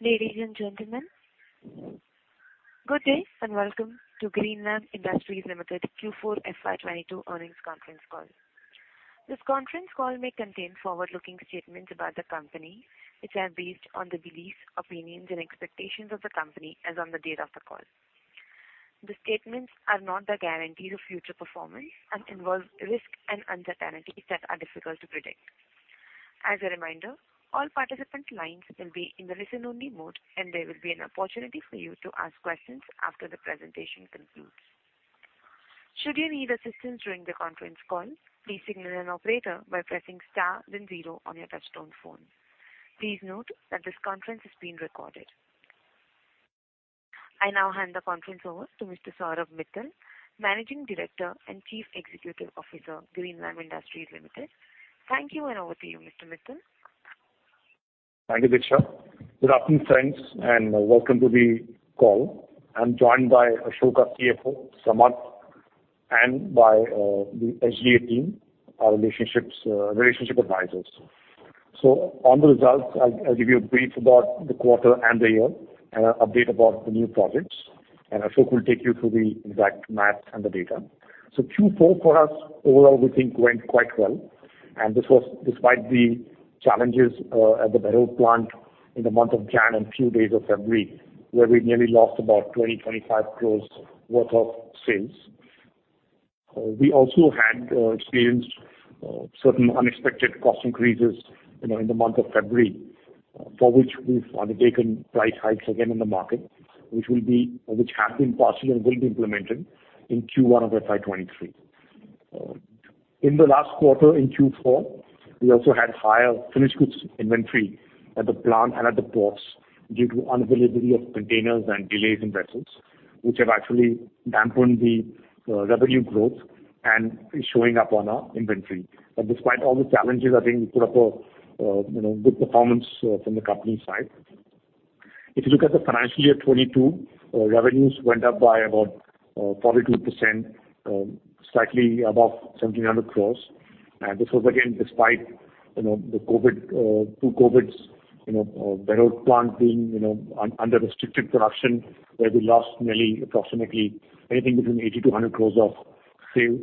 Ladies and gentlemen, good day, and welcome to Greenlam Industries Limited Q4 FY 2022 earnings conference call. This conference call may contain forward-looking statements about the company which are based on the beliefs, opinions and expectations of the company as on the date of the call. The statements are not the guarantee of future performance and involve risk and uncertainties that are difficult to predict. As a reminder, all participant lines will be in the listen-only mode, and there will be an opportunity for you to ask questions after the presentation concludes. Should you need assistance during the conference call, please signal an operator by pressing star then zero on your touchtone phone. Please note that this conference is being recorded. I now hand the conference over to Mr. Saurabh Mittal, Managing Director and Chief Executive Officer, Greenlam Industries Limited. Thank you, and over to you, Mr. Mittal. Thank you, Diksha. Good afternoon, friends, and welcome to the call. I'm joined by Ashok, our CFO, Samarth, and by the SGA team, our relationship advisors. On the results, I'll give you a brief about the quarter and the year and an update about the new projects, and Ashok will take you through the exact math and the data. Q4 for us overall we think went quite well, and this was despite the challenges at the Behror plant in the month of January and a few days of February, where we nearly lost about 20-25 crore worth of sales. We also had experienced certain unexpected cost increases, you know, in the month of February, for which we've undertaken price hikes again in the market, which have been passed and will be implemented in Q1 of FY 2023. In the last quarter, in Q4, we also had higher finished goods inventory at the plant and at the ports due to unavailability of containers and delays in vessels, which have actually dampened the revenue growth and is showing up on our inventory. Despite all the challenges, I think we put up a, you know, good performance from the company's side. If you look at the FY 2022, revenues went up by about 42%, slightly above 1,700 crore. This was again despite, you know, the COVID, two COVIDs, you know, Behror plant being, you know, under restricted production, where we lost nearly approximately anything between 80 crore-100 crore of sales.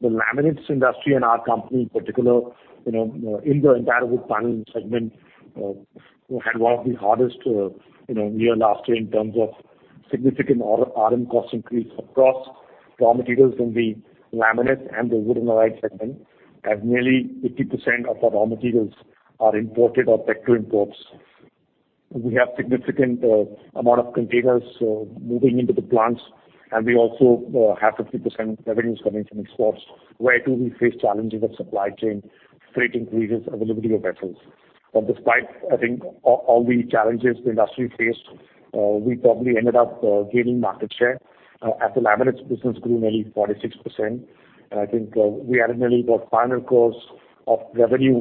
The laminates industry and our company in particular, you know, in the entire wood paneling segment, you know, had one of the hardest, you know, year last year in terms of significant raw material cost increase across raw materials in the laminate and the wood and allied segment as nearly 80% of our raw materials are imported or pegged to imports. We have significant amount of containers moving into the plants, and we also have 50% revenues coming from exports, where too we face challenges of supply chain, freight increases, availability of vessels. Despite, I think, the challenges the industry faced, we probably ended up gaining market share as the laminates business grew nearly 46%. I think we added nearly about INR 500 crore of revenue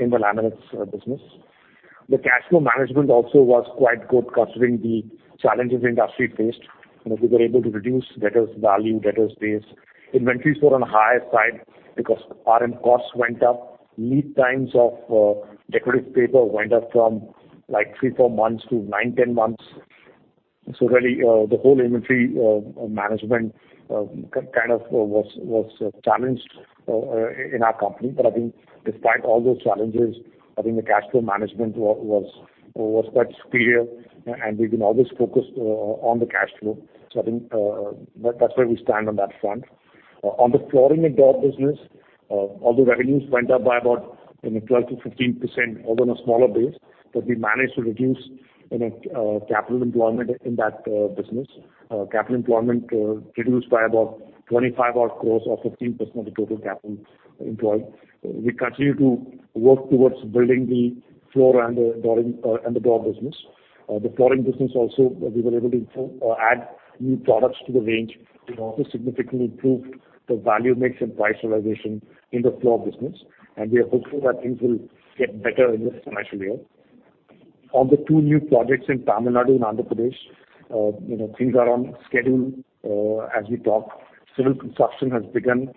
in the laminates business. The cash flow management also was quite good considering the challenges the industry faced. You know, we were able to reduce debtors value, debtors days. Inventories were on the higher side because raw material costs went up. Lead times of decorative paper went up from three, four months to nine, 10 months. Really, the whole inventory management was challenged in our company. Despite all those challenges, I think the cash flow management was quite superior, and we've been always focused on the cash flow. I think that's where we stand on that front. On the flooring and door business, although revenues went up by about, you know, 12%-15% over on a smaller base, but we managed to reduce, you know, capital employment in that business. Capital employment reduced by about 25 odd crore or 15% of the total capital employed. We continue to work towards building the floor and the door business. The flooring business also, we were able to add new products to the range and also significantly improved the value mix and price realization in the floor business. We are hopeful that things will get better in this financial year. Of the two new projects in Tamil Nadu and Andhra Pradesh, you know, things are on schedule, as we talk. Civil construction has begun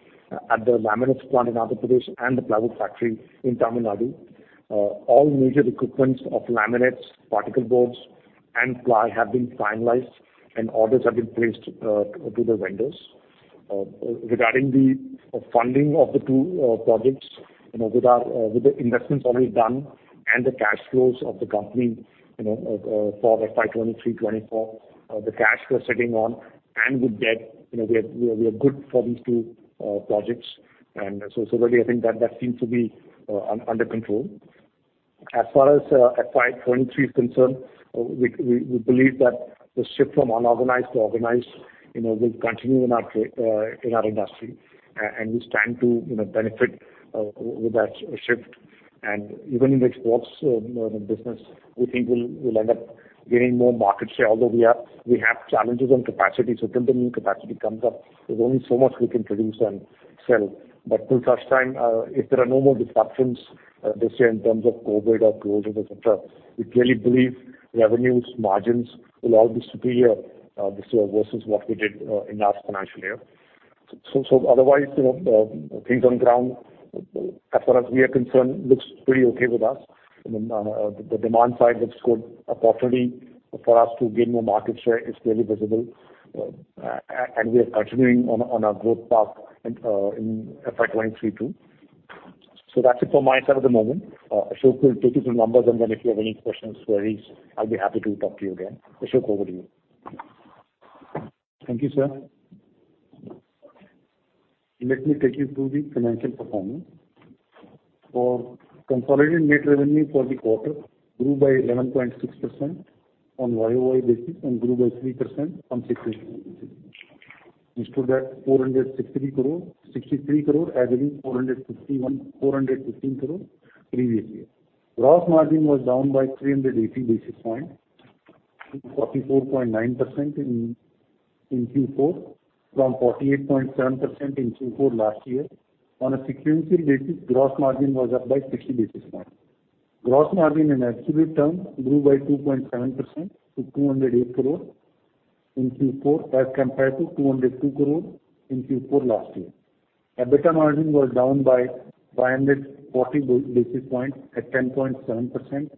at the laminates plant in Andhra Pradesh and the plywood factory in Tamil Nadu. All major equipment of laminates, particle boards and ply have been finalized and orders have been placed to the vendors. Regarding the funding of the two projects, you know, with the investments already done and the cash flows of the company, you know, for FY 2023, FY 2024, the cash flow sitting on and with debt, you know, we are good for these two projects. Really, I think that seems to be under control. As far as FY 2023 is concerned, we believe that the shift from unorganized to organized, you know, will continue in our industry. We stand to, you know, benefit with that shift. Even in the exports business, we think we'll end up gaining more market share, although we have challenges on capacity. Till the new capacity comes up, there's only so much we can produce and sell. Till such time, if there are no more disruptions this year in terms of COVID or closures et cetera, we clearly believe revenues, margins will all be superior this year versus what we did in last financial year. Otherwise, you know, things on ground, as far as we are concerned, looks pretty okay with us. The demand side looks good. Opportunity for us to gain more market share is clearly visible. We are continuing on our growth path in FY 2023 too. That's it for my side at the moment. Ashok will take you through numbers, and then if you have any questions, queries, I'll be happy to talk to you again. Ashok, over to you. Thank you, sir. Let me take you through the financial performance. Consolidated net revenue for the quarter grew by 11.6% on YoY basis and grew by 3% on sequential basis. We stood at 463 crore as against 415 crore previous year. Gross margin was down by 380 basis points, to 44.9% in Q4 from 48.7% in Q4 last year. On a sequential basis, gross margin was up by 60 basis points. Gross margin in absolute terms grew by 2.7% to 208 crore in Q4 as compared to 202 crore in Q4 last year. EBITDA margin was down by 540 basis points at 10.7%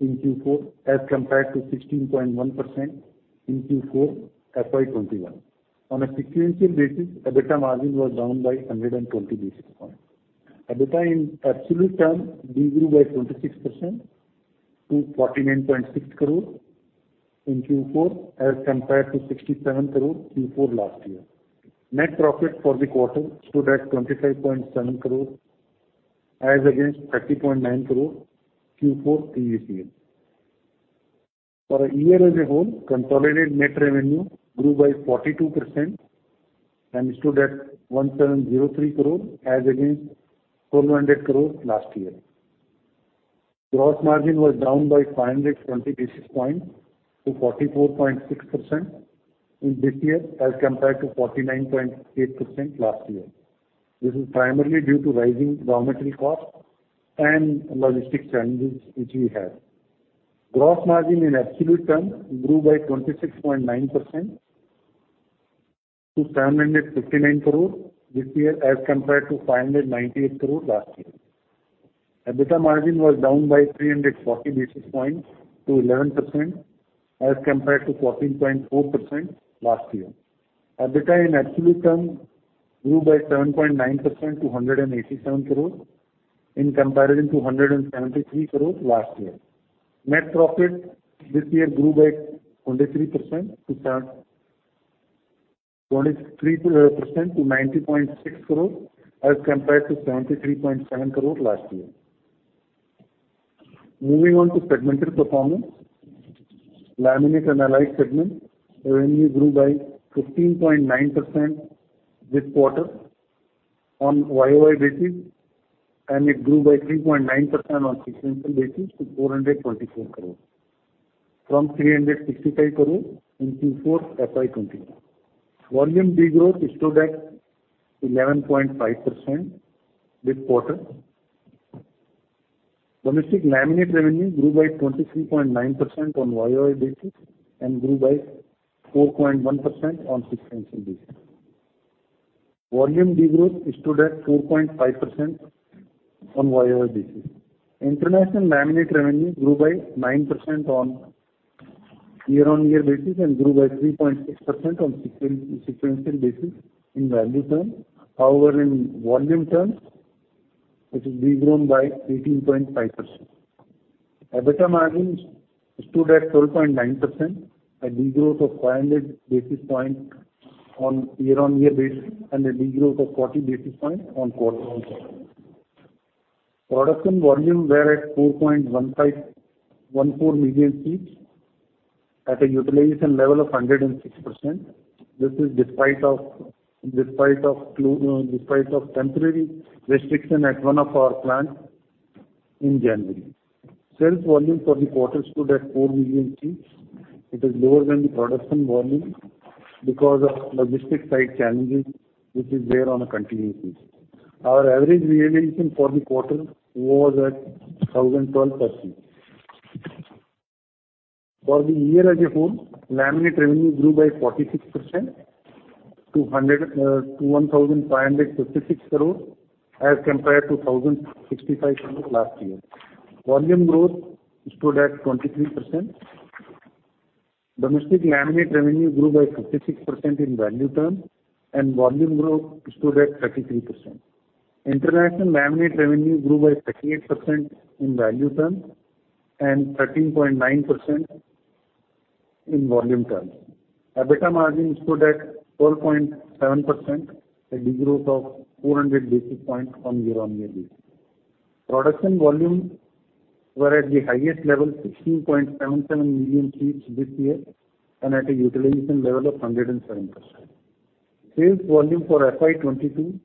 in Q4 as compared to 16.1% in Q4 FY 2021. On a sequential basis, EBITDA margin was down by 120 basis points. EBITDA in absolute terms de-grew by 26% to 49.6 crore in Q4 as compared to 67 crore Q4 last year. Net profit for the quarter stood at 25.7 crore as against 30.9 crore Q4 previous year. For a year as a whole, consolidated net revenue grew by 42% and stood at 1,703 crore as against 1,200 crore last year. Gross margin was down by 520 basis points to 44.6% in this year as compared to 49.8% last year. This is primarily due to rising raw material costs and logistic challenges which we have. Gross margin in absolute terms grew by 26.9% to 759 crore this year as compared to 598 crore last year. EBITDA margin was down by 340 basis points to 11% as compared to 14.4% last year. EBITDA in absolute terms grew by 7.9% to 187 crore in comparison to 173 crore last year. Net profit this year grew by 23% to 90.6 crore as compared to 73.7 crore last year. Moving on to segmental performance. Laminate and Allied segment revenue grew by 15.9% this quarter on YoY basis, and it grew by 3.9% on sequential basis to 424 crore from 365 crore in Q4 FY 2021. Volume de-growth stood at 11.5% this quarter. Domestic laminate revenue grew by 23.9% on YoY basis and grew by 4.1% on sequential basis. Volume de-growth stood at 2.5% on YoY basis. International laminate revenue grew by 9% on year-over-year basis and grew by 3.6% on sequential basis in value terms. However, in volume terms, it is de-grown by 18.5%. EBITDA margins stood at 12.9%, a de-growth of 500 basis points on year-over-year basis and a de-growth of 40 basis points on quarter-over-quarter. Production volumes were at 4.14 million sheets at a utilization level of 106%. This is despite of temporary restriction at one of our plants in January. Sales volume for the quarter stood at 4 million sheets. It is lower than the production volume because of logistic side challenges which is there on a continuous basis. Our average realization for the quarter was at 1,012 per feet. For the year as a whole, laminate revenue grew by 46% to 1,156 crore as compared to 1,065 crore last year. Volume growth stood at 23%. Domestic laminate revenue grew by 56% in value terms and volume growth stood at 33%. International laminate revenue grew by 38% in value terms and 13.9% in volume terms. EBITDA margin stood at 12.7%, a de-growth of 400 basis points on year-on-year basis. Production volumes were at the highest level, 16.77 million feet this year and at a utilization level of 107%. Sales volume for FY 2022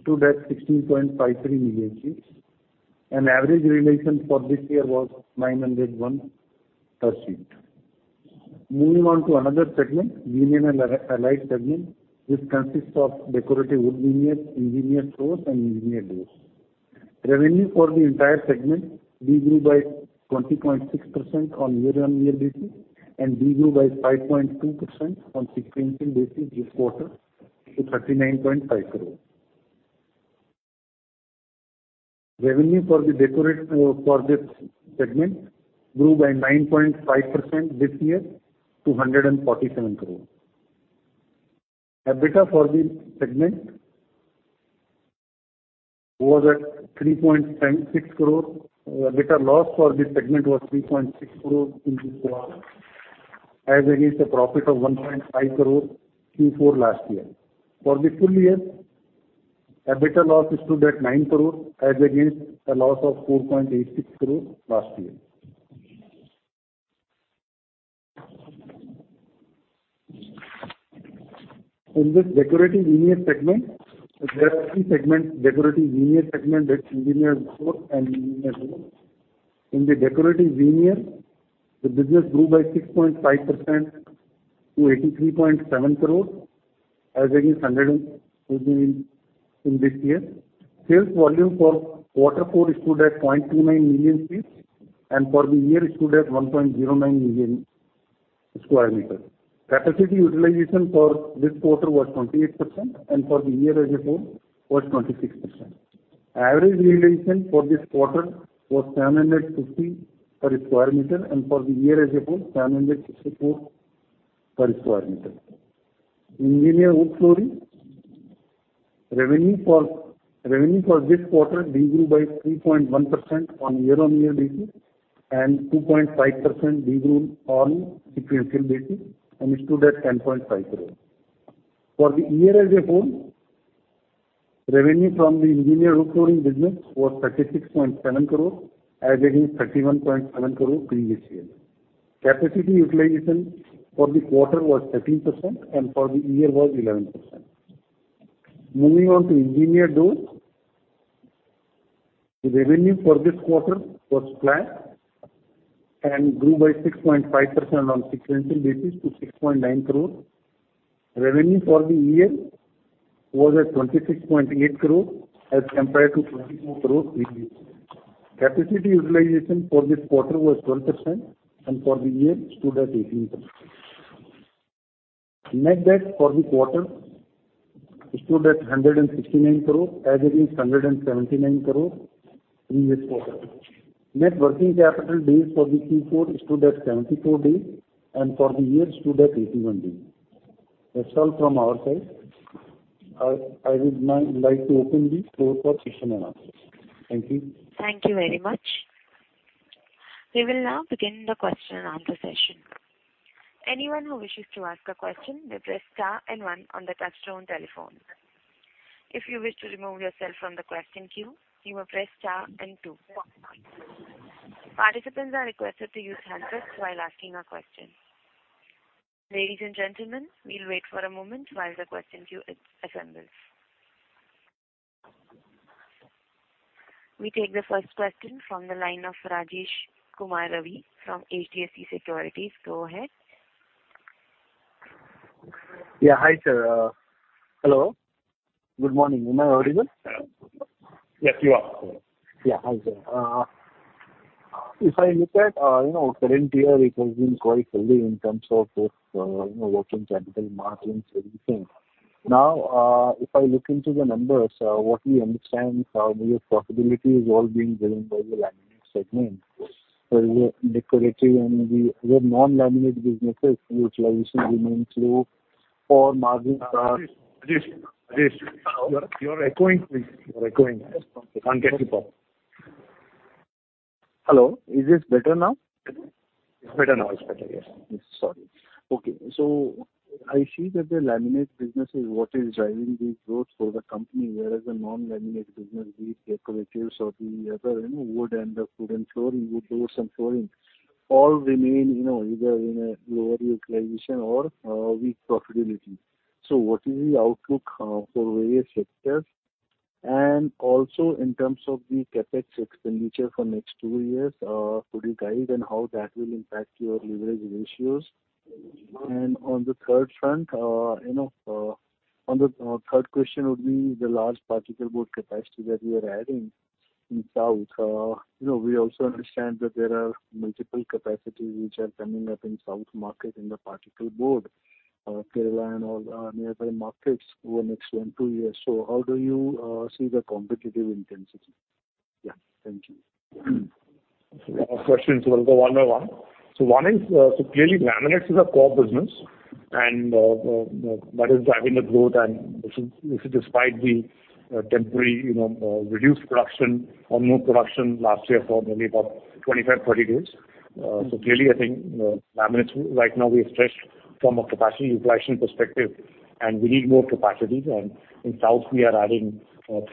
stood at 16.53 million feet. An average realization for this year was 901 per feet. Moving on to another segment, Veneer and Allied segment, which consists of decorative wood veneers, engineered floors, and engineered doors. Revenue for the entire segment de-grew by 20.6% on year-on-year basis and de-grew by 5.2% on sequential basis this quarter to INR 39.5 crore. Revenue for the decorative segment grew by 9.5% this year to 147 crore. EBITDA for this segment was at 3.6 crore. EBITDA loss for this segment was 3.6 crore in Q4 as against a profit of 1.5 crore in Q4 last year. For the full year, EBITDA loss stood at 9 crore as against a loss of 4.86 crore last year. In this decorative veneer segment, there are three segments: decorative veneer segment, that's engineered floor, and engineered door. In the decorative veneer, the business grew by 6.5% to 83.7 crore as against 78.6 crore last year. Sales volume for quarter four stood at 0.29 million feet and for the year stood at 1.09 million sq m. Capacity utilization for this quarter was 28% and for the year as a whole was 26%. Average realization for this quarter was 750 per square meter and for the year as a whole, 764 per square meter. Engineered wood flooring. Revenue for this quarter de-grew by 3.1% on year-on-year basis and 2.5% de-grew on sequential basis and stood at 10.5 crore. For the year as a whole, revenue from the engineered wood flooring business was 36.7 crore as against 31.7 crore previous year. Capacity utilization for the quarter was 13% and for the year was 11%. Moving on to engineered doors. The revenue for this quarter was flat and grew by 6.5% on sequential basis to 6.9 crore. Revenue for the year was at 26.8 crore as compared to 24 crore previous year. Capacity utilization for this quarter was 12% and for the year stood at 18%. Net debt for the quarter stood at 169 crore as against 179 crore previous quarter. Net working capital days for the Q4 stood at 74 days and for the year stood at 81 days. That's all from our side. I would now like to open the floor for question and answers. Thank you. Thank you very much. We will now begin the question-and-answer session. Anyone who wishes to ask a question may press star and one on their touchtone telephone. If you wish to remove yourself from the question queue, you may press star and two. Participants are requested to use handset while asking a question. Ladies and gentlemen, we'll wait for a moment while the question queue assembles. We take the first question from the line of Rajesh Kumar Ravi from HDFC Securities. Go ahead. Yeah. Hi, sir. Hello. Good morning. Am I audible? Yes, you are. Yeah. Hi, sir. If I look at, you know, current year, it has been quite healthy in terms of both, you know, working capital margins and everything. Now, if I look into the numbers, what we understand is how your profitability is all being driven by the laminate segment. Your non-laminate businesses utilization remains low or margins are- Rajesh. You're echoing, please. You're echoing. I can't get you properly. Hello. Is this better now? Better. It's better now. Yes. Sorry. Okay. I see that the laminate business is what is driving the growth for the company, whereas the non-laminate business be it decoratives or the other, you know, wood and the wooden flooring, wood doors and flooring, all remain, you know, either in a lower utilization or weak profitability. What is the outlook for various sectors? Also in terms of the CapEx expenditure for next two years, could you guide on how that will impact your leverage ratios? On the third front, you know, on the third question would be the large particle board capacity that you are adding in South. You know, we also understand that there are multiple capacities which are coming up in South market in the particle board, Kerala and all, nearby markets over next one, two years. How do you see the competitive intensity? Yeah. Thank you. A lot of questions. We'll go one by one. One is, clearly laminates is our core business and, that is driving the growth and this is despite the, temporary, you know, reduced production or no production last year for maybe about 25, 30 days. Clearly, I think, laminates right now we are stressed from a capacity utilization perspective, and we need more capacity. In South we are adding,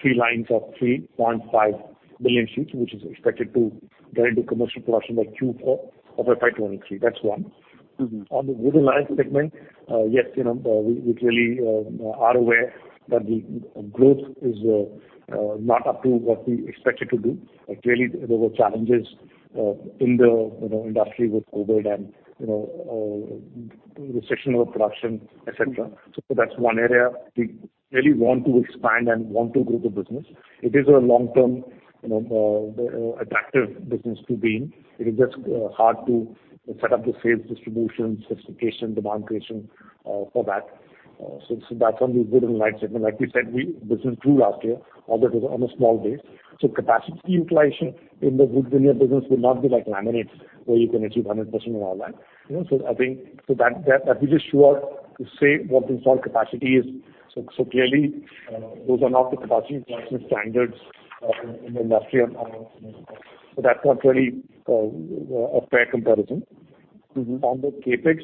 three lines of 3.5 million sheets, which is expected to get into commercial production by Q4 of FY 2023. That's one. Mm-hmm. On the wood and allied segment, yes, you know, we clearly are aware that the growth is not up to what we expect it to be. Like, really there were challenges in the industry with COVID and, you know, restriction of production, etc. That's one area we really want to expand and want to grow the business. It is a long-term, you know, attractive business to be in. It is just hard to set up the sales distribution, specification, demand creation for that. So that's on the wood and veneer segment. Like we said, this was true last year, although it was on a small base. Capacity utilization in the wood veneer business will not be like laminates where you can achieve 100% and all that. You know, so that I'll be just sure to say what the installed capacity is. Clearly, those are not the capacity utilization standards in the industry, so that's not really a fair comparison. Mm-hmm. On the CapEx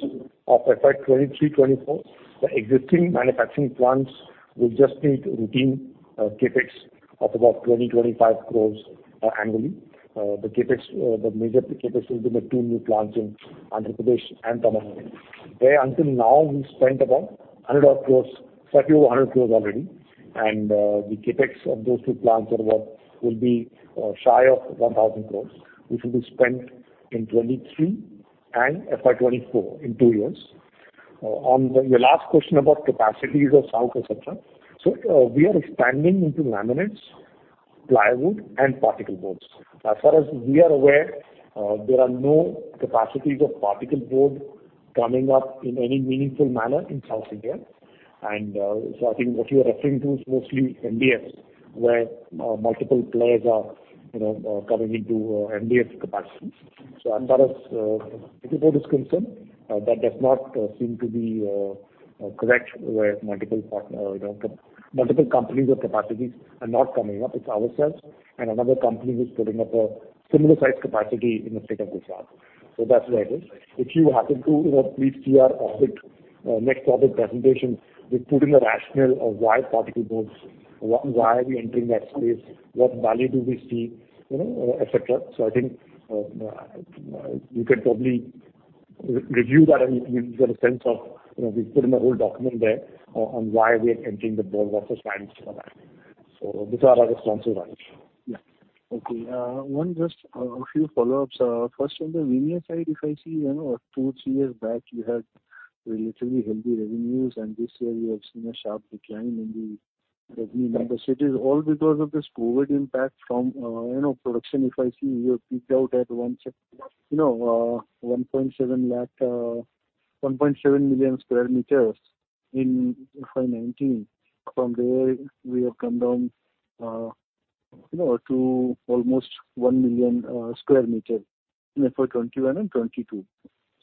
of FY 2023-2024, the existing manufacturing plants will just need routine CapEx of about 20 crore-25 crore annually. The major CapEx will be the two new plants in Andhra Pradesh and Tamil Nadu, where until now we've spent about 100 odd crore, slightly over 200 crore already. The CapEx of those two plants will be shy of 1,000 crore, which will be spent in 2023 and FY 2024, in two years. On your last question about capacities of South, et cetera. We are expanding into laminates, plywood and particle boards. As far as we are aware, there are no capacities of particle board coming up in any meaningful manner in South India. I think what you are referring to is mostly MDFs, where multiple players are, you know, coming into MDF capacities. As far as particle board is concerned, that does not seem to be correct, where multiple companies or capacities are not coming up. It's ourselves and another company who's putting up a similar-sized capacity in the state of Gujarat. That's where it is. If you happen to, you know, please see our investor presentation, we've put in a rationale of why particleboard, why are we entering that space, what value do we see, you know, et cetera. I think you can probably re-review that and you get a sense of, you know, we've put in a whole document there on why we are entering the board versus why we sell laminate. These are our responses, Rajesh. Yeah. Okay. Just a few follow-ups. First on the veneer side, if I see, you know, two, three years back you had relatively healthy revenues and this year you have seen a sharp decline in the revenue numbers. It is all because of this COVID impact from, you know, production. If I see you have peaked out at 1.7 lakh, 1.7 million sq m FY 2019. From there we have come down, you know, to almost 1 million sq m in FY 2021 and 2022.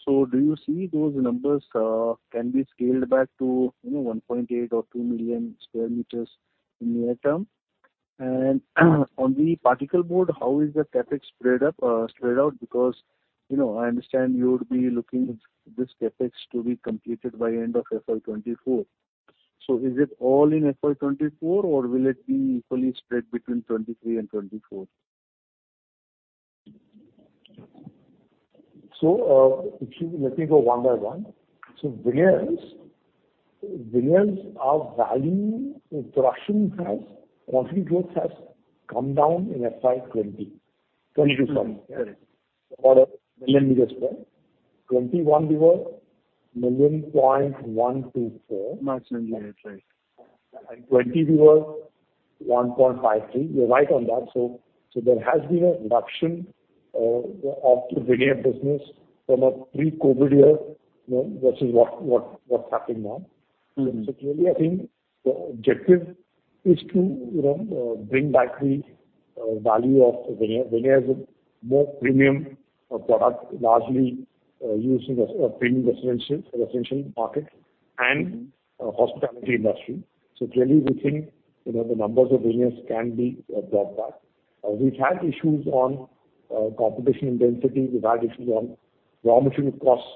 Do you see those numbers can be scaled back to, you know, 1.8 or 2 million sq m in near term? And on the particle board, how is the CapEx spread out? You know, I understand you'd be looking at this CapEx to be completed by end of FY 2024. Is it all in FY 2024 or will it be equally spread between 2023 and 2024? If you let me go one by one. Veneers, our value production has, roughly growth has come down in FY 2020– 2022 sorry. For the million meter square, FY 2021 we were 1.124 million. Right. 2020 we were 1.53 million. You're right on that. There has been a reduction of the veneer business from a pre-COVID year, you know, versus what's happening now. Mm-hmm. Clearly I think the objective is to, you know, bring back the value of veneer. Veneer is a more premium product largely used in premium residential market and hospitality industry. Clearly we think, you know, the numbers of veneers can be brought back. We've had issues on competition intensity. We've had issues on raw material costs,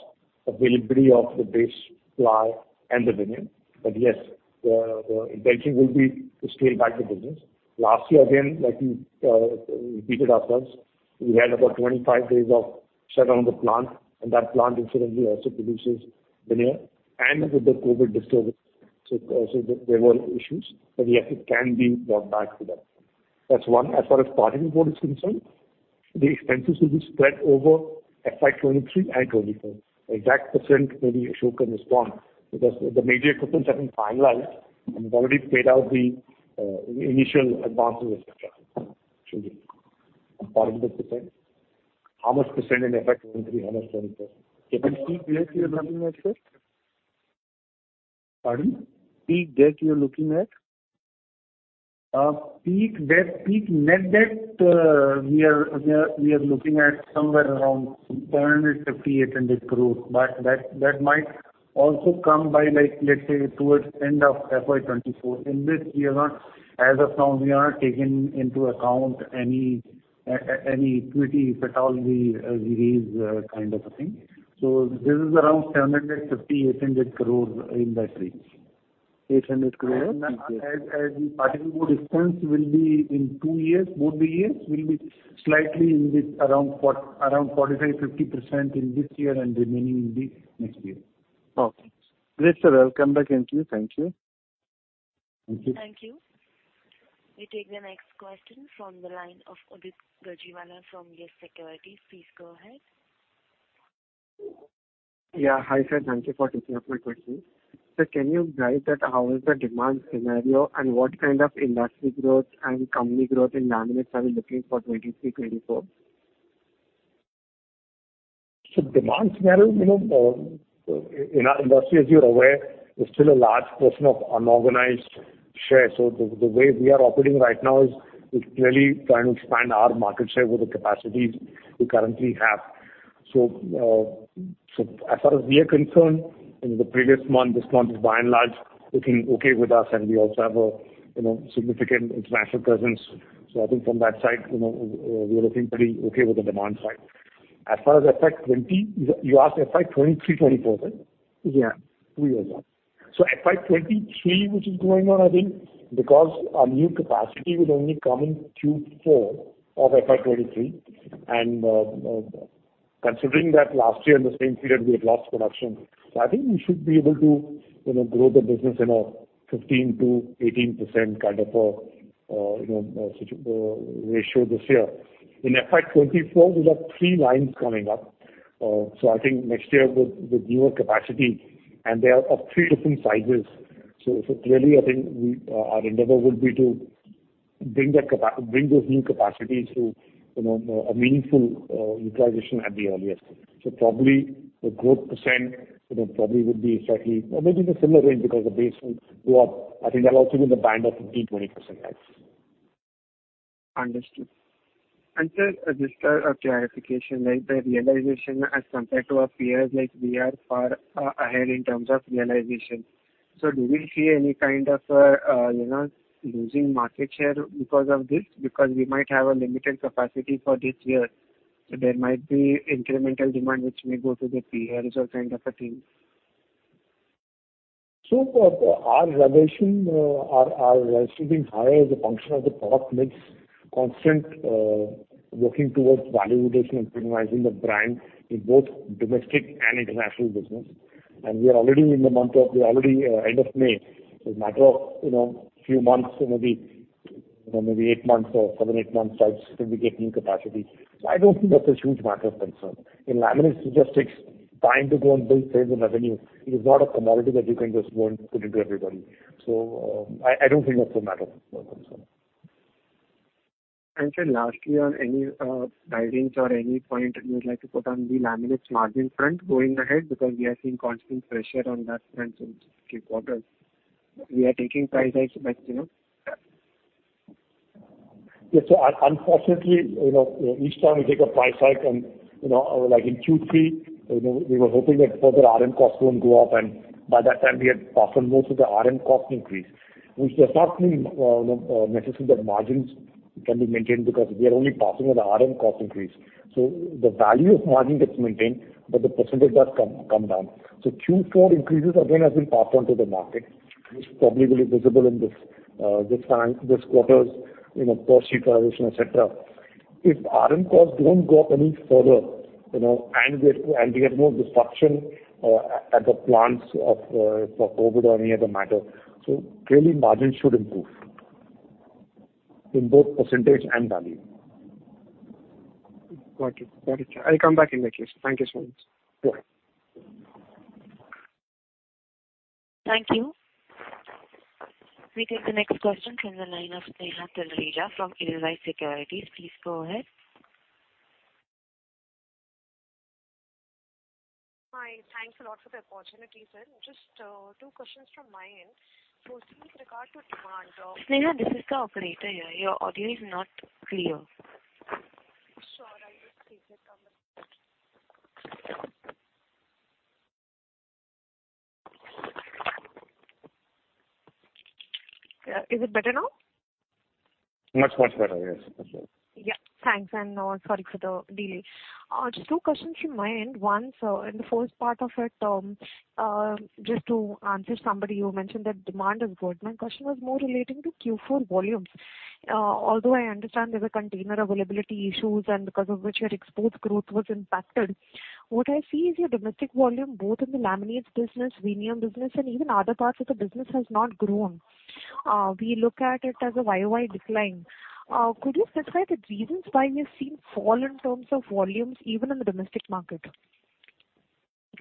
availability of the base ply and the veneer. Yes, the intention will be to scale back the business. Last year again, like we repeated ourselves. We had about 25 days of shut down the plant and that plant incidentally also produces veneer and with the COVID disturbance. There were issues. Yes it can be brought back to that. That's one. As far as particle board is concerned, the expenses will be spread over FY 2023 and 2024. Exact percent maybe Ashok can respond because the major equipment have been finalized and we've already paid out the initial advances, et cetera. Ashok. Particle board percent. How much percent in FY 2023, how much 2024? Peak debt you're looking at, sir? Pardon? Peak debt you're looking at? Peak debt, peak net debt, we are looking at somewhere around 750 crore-800 crore. That might also come by like let's say towards end of FY 2024. In this we are not, as of now we are not taking into account any equity, if at all we raise kind of a thing. This is around 750 crore-800 crore in that range. 800 crore peak debt. The particle board expense will be in two years, both the years will be slightly in the around 45%-50% in this year and remaining will be next year. Okay. Great, sir. I'll come back in the queue 20 to you. Thank you. Thank you. Thank you. We take the next question from the line of Udit Gajiwala from Yes Securities. Please go ahead. Yeah. Hi sir, thank you for taking up my question. Sir, can you guide that how is the demand scenario and what kind of industry growth and company growth in laminates are we looking for 2023, 2024? Demand scenario, you know, in our industry, as you're aware, there's still a large portion of unorganized share. The way we are operating right now is clearly trying to expand our market share with the capacities we currently have. As far as we are concerned, you know, the previous month, this month is by and large looking okay with us, and we also have, you know, significant international presence. I think from that side, you know, we are looking pretty okay with the demand side. As far as FY 2023. You asked FY 2023, FY 2024, right? Yeah. Two years, yeah. FY 2023, which is going on, I think, because our new capacity will only come in Q4 of FY 2023, and considering that last year in the same period we had lost production, I think we should be able to, you know, grow the business, you know, 15%-18% kind of a, you know, ratio this year. In FY 2024, we've got three lines coming up, so I think next year with newer capacity, and they are of three different sizes. Clearly, I think we, our endeavor would be to bring those new capacities to, you know, a meaningful utilization at the earliest. Probably the growth percent, you know, probably would be slightly or maybe the similar range because the base will go up. I think that'll also be in the band of 15%-20% rise. Understood. Sir, just a clarification, like the realization as compared to our peers, like we are far ahead in terms of realization. Do we see any kind of, you know, losing market share because of this? Because we might have a limited capacity for this year, so there might be incremental demand which may go to the peers or kind of a thing. Our realization being higher is a function of the product mix, constantly working towards value addition and premiumizing the brand in both domestic and international business. We are already end of May. Matter of few months, you know, maybe eight months or seven, eight months, right, we should be getting capacity. I don't think that's a huge matter of concern. In laminates, it just takes time to go and build sales and revenue. It is not a commodity that you can just go and put into everybody. I don't think that's a matter of concern. Sir, lastly, on any guidance or any point you would like to put on the laminates margin front going ahead, because we are seeing constant pressure on that front in quarters. We are taking price hikes, but you know. Yeah. Unfortunately, you know, each time we take a price hike and, you know, like in Q3, you know, we were hoping that further RM costs won't go up, and by that time we had passed on most of the RM cost increase, which does not mean, you know, necessarily that margins can be maintained because we are only passing on the RM cost increase. The value of margin gets maintained, but the percentage does come down. Q4 increases again has been passed on to the market, which probably will be visible in this time, this quarter's, you know, per sheet realization, et cetera. If RM costs don't go up any further, you know, and we have no disruption at the plants for COVID or any other matter, clearly margins should improve in both percentage and value. Got it. I'll come back in the queue. Thank you so much. Sure. Thank you. We take the next question from the line of Sneha Talreja from Edelweiss Securities. Please go ahead. Hi. Thanks a lot for the opportunity, sir. Just, two questions from my end. Sir, with regard to demand, Neha, this is the operator here. Your audio is not clear. Sure. I will take it from here. Yeah. Is it better now? Much, much better. Yes. For sure. Yeah. Thanks, and, sorry for the delay. Just two questions from my end. One, so in the first part of it, just to answer somebody, you mentioned that demand is good. My question was more relating to Q4 volumes. Although I understand there's a container availability issues, and because of which your export growth was impacted, what I see is your domestic volume both in the laminates business, veneer business, and even other parts of the business has not grown. We look at it as a YoY decline. Could you describe the reasons why we have seen fall in terms of volumes even in the domestic market?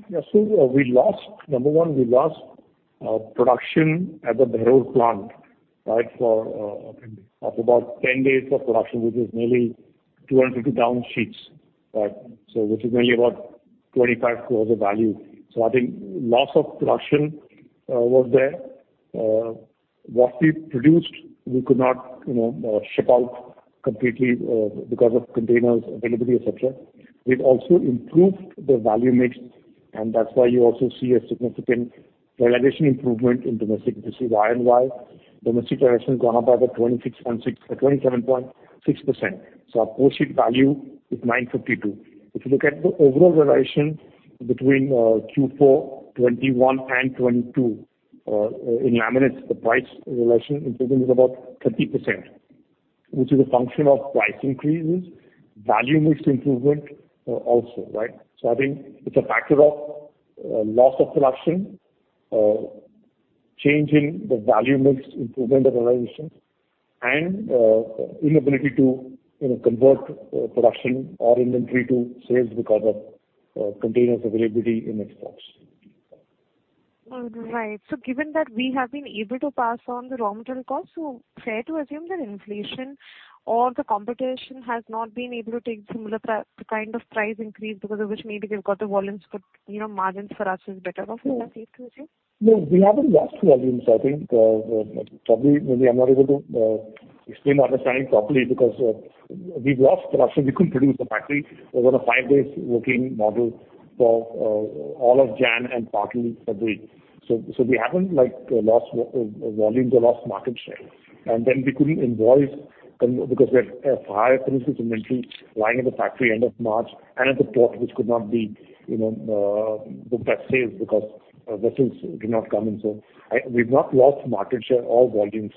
Yeah. We lost, number one, production at the Behror plant, right, for, I think, about 10 days of production, which is nearly 250,000 sheets, right? Which is nearly about 25 crore of value. I think loss of production was there. What we produced, we could not ship out completely because of containers availability, et cetera. We've also improved the value mix, and that's why you also see a significant realization improvement in domestic business YoY. Domestic realization gone up by about 27.6%. Our core sheet value is 952. If you look at the overall realization between Q4 2021 and 2022 in laminates, the price realization improvement is about 30%, which is a function of price increases, value mix improvement, also, right? I think it's a factor of loss of production, change in the value mix improvement realization, and inability to, you know, convert production or inventory to sales because of containers availability in exports. Right. Given that we have been able to pass on the raw material costs, fair to assume that inflation or the competition has not been able to take similar kind of price increase because of which maybe we've got the volumes, but, you know, margins for us is better now. Is that safe to assume? No, we haven't lost volumes. I think, probably, maybe I'm not able to explain or understand it properly because we've lost production. We couldn't produce at the factory over a five-day working model for all of January and partly February. We haven't, like, lost volumes or lost market share. Then we couldn't invoice because we have high finished goods inventory lying in the factory at the end of March and at the port, which could not be, you know, get shipped because vessels did not come in. We've not lost market share or volumes.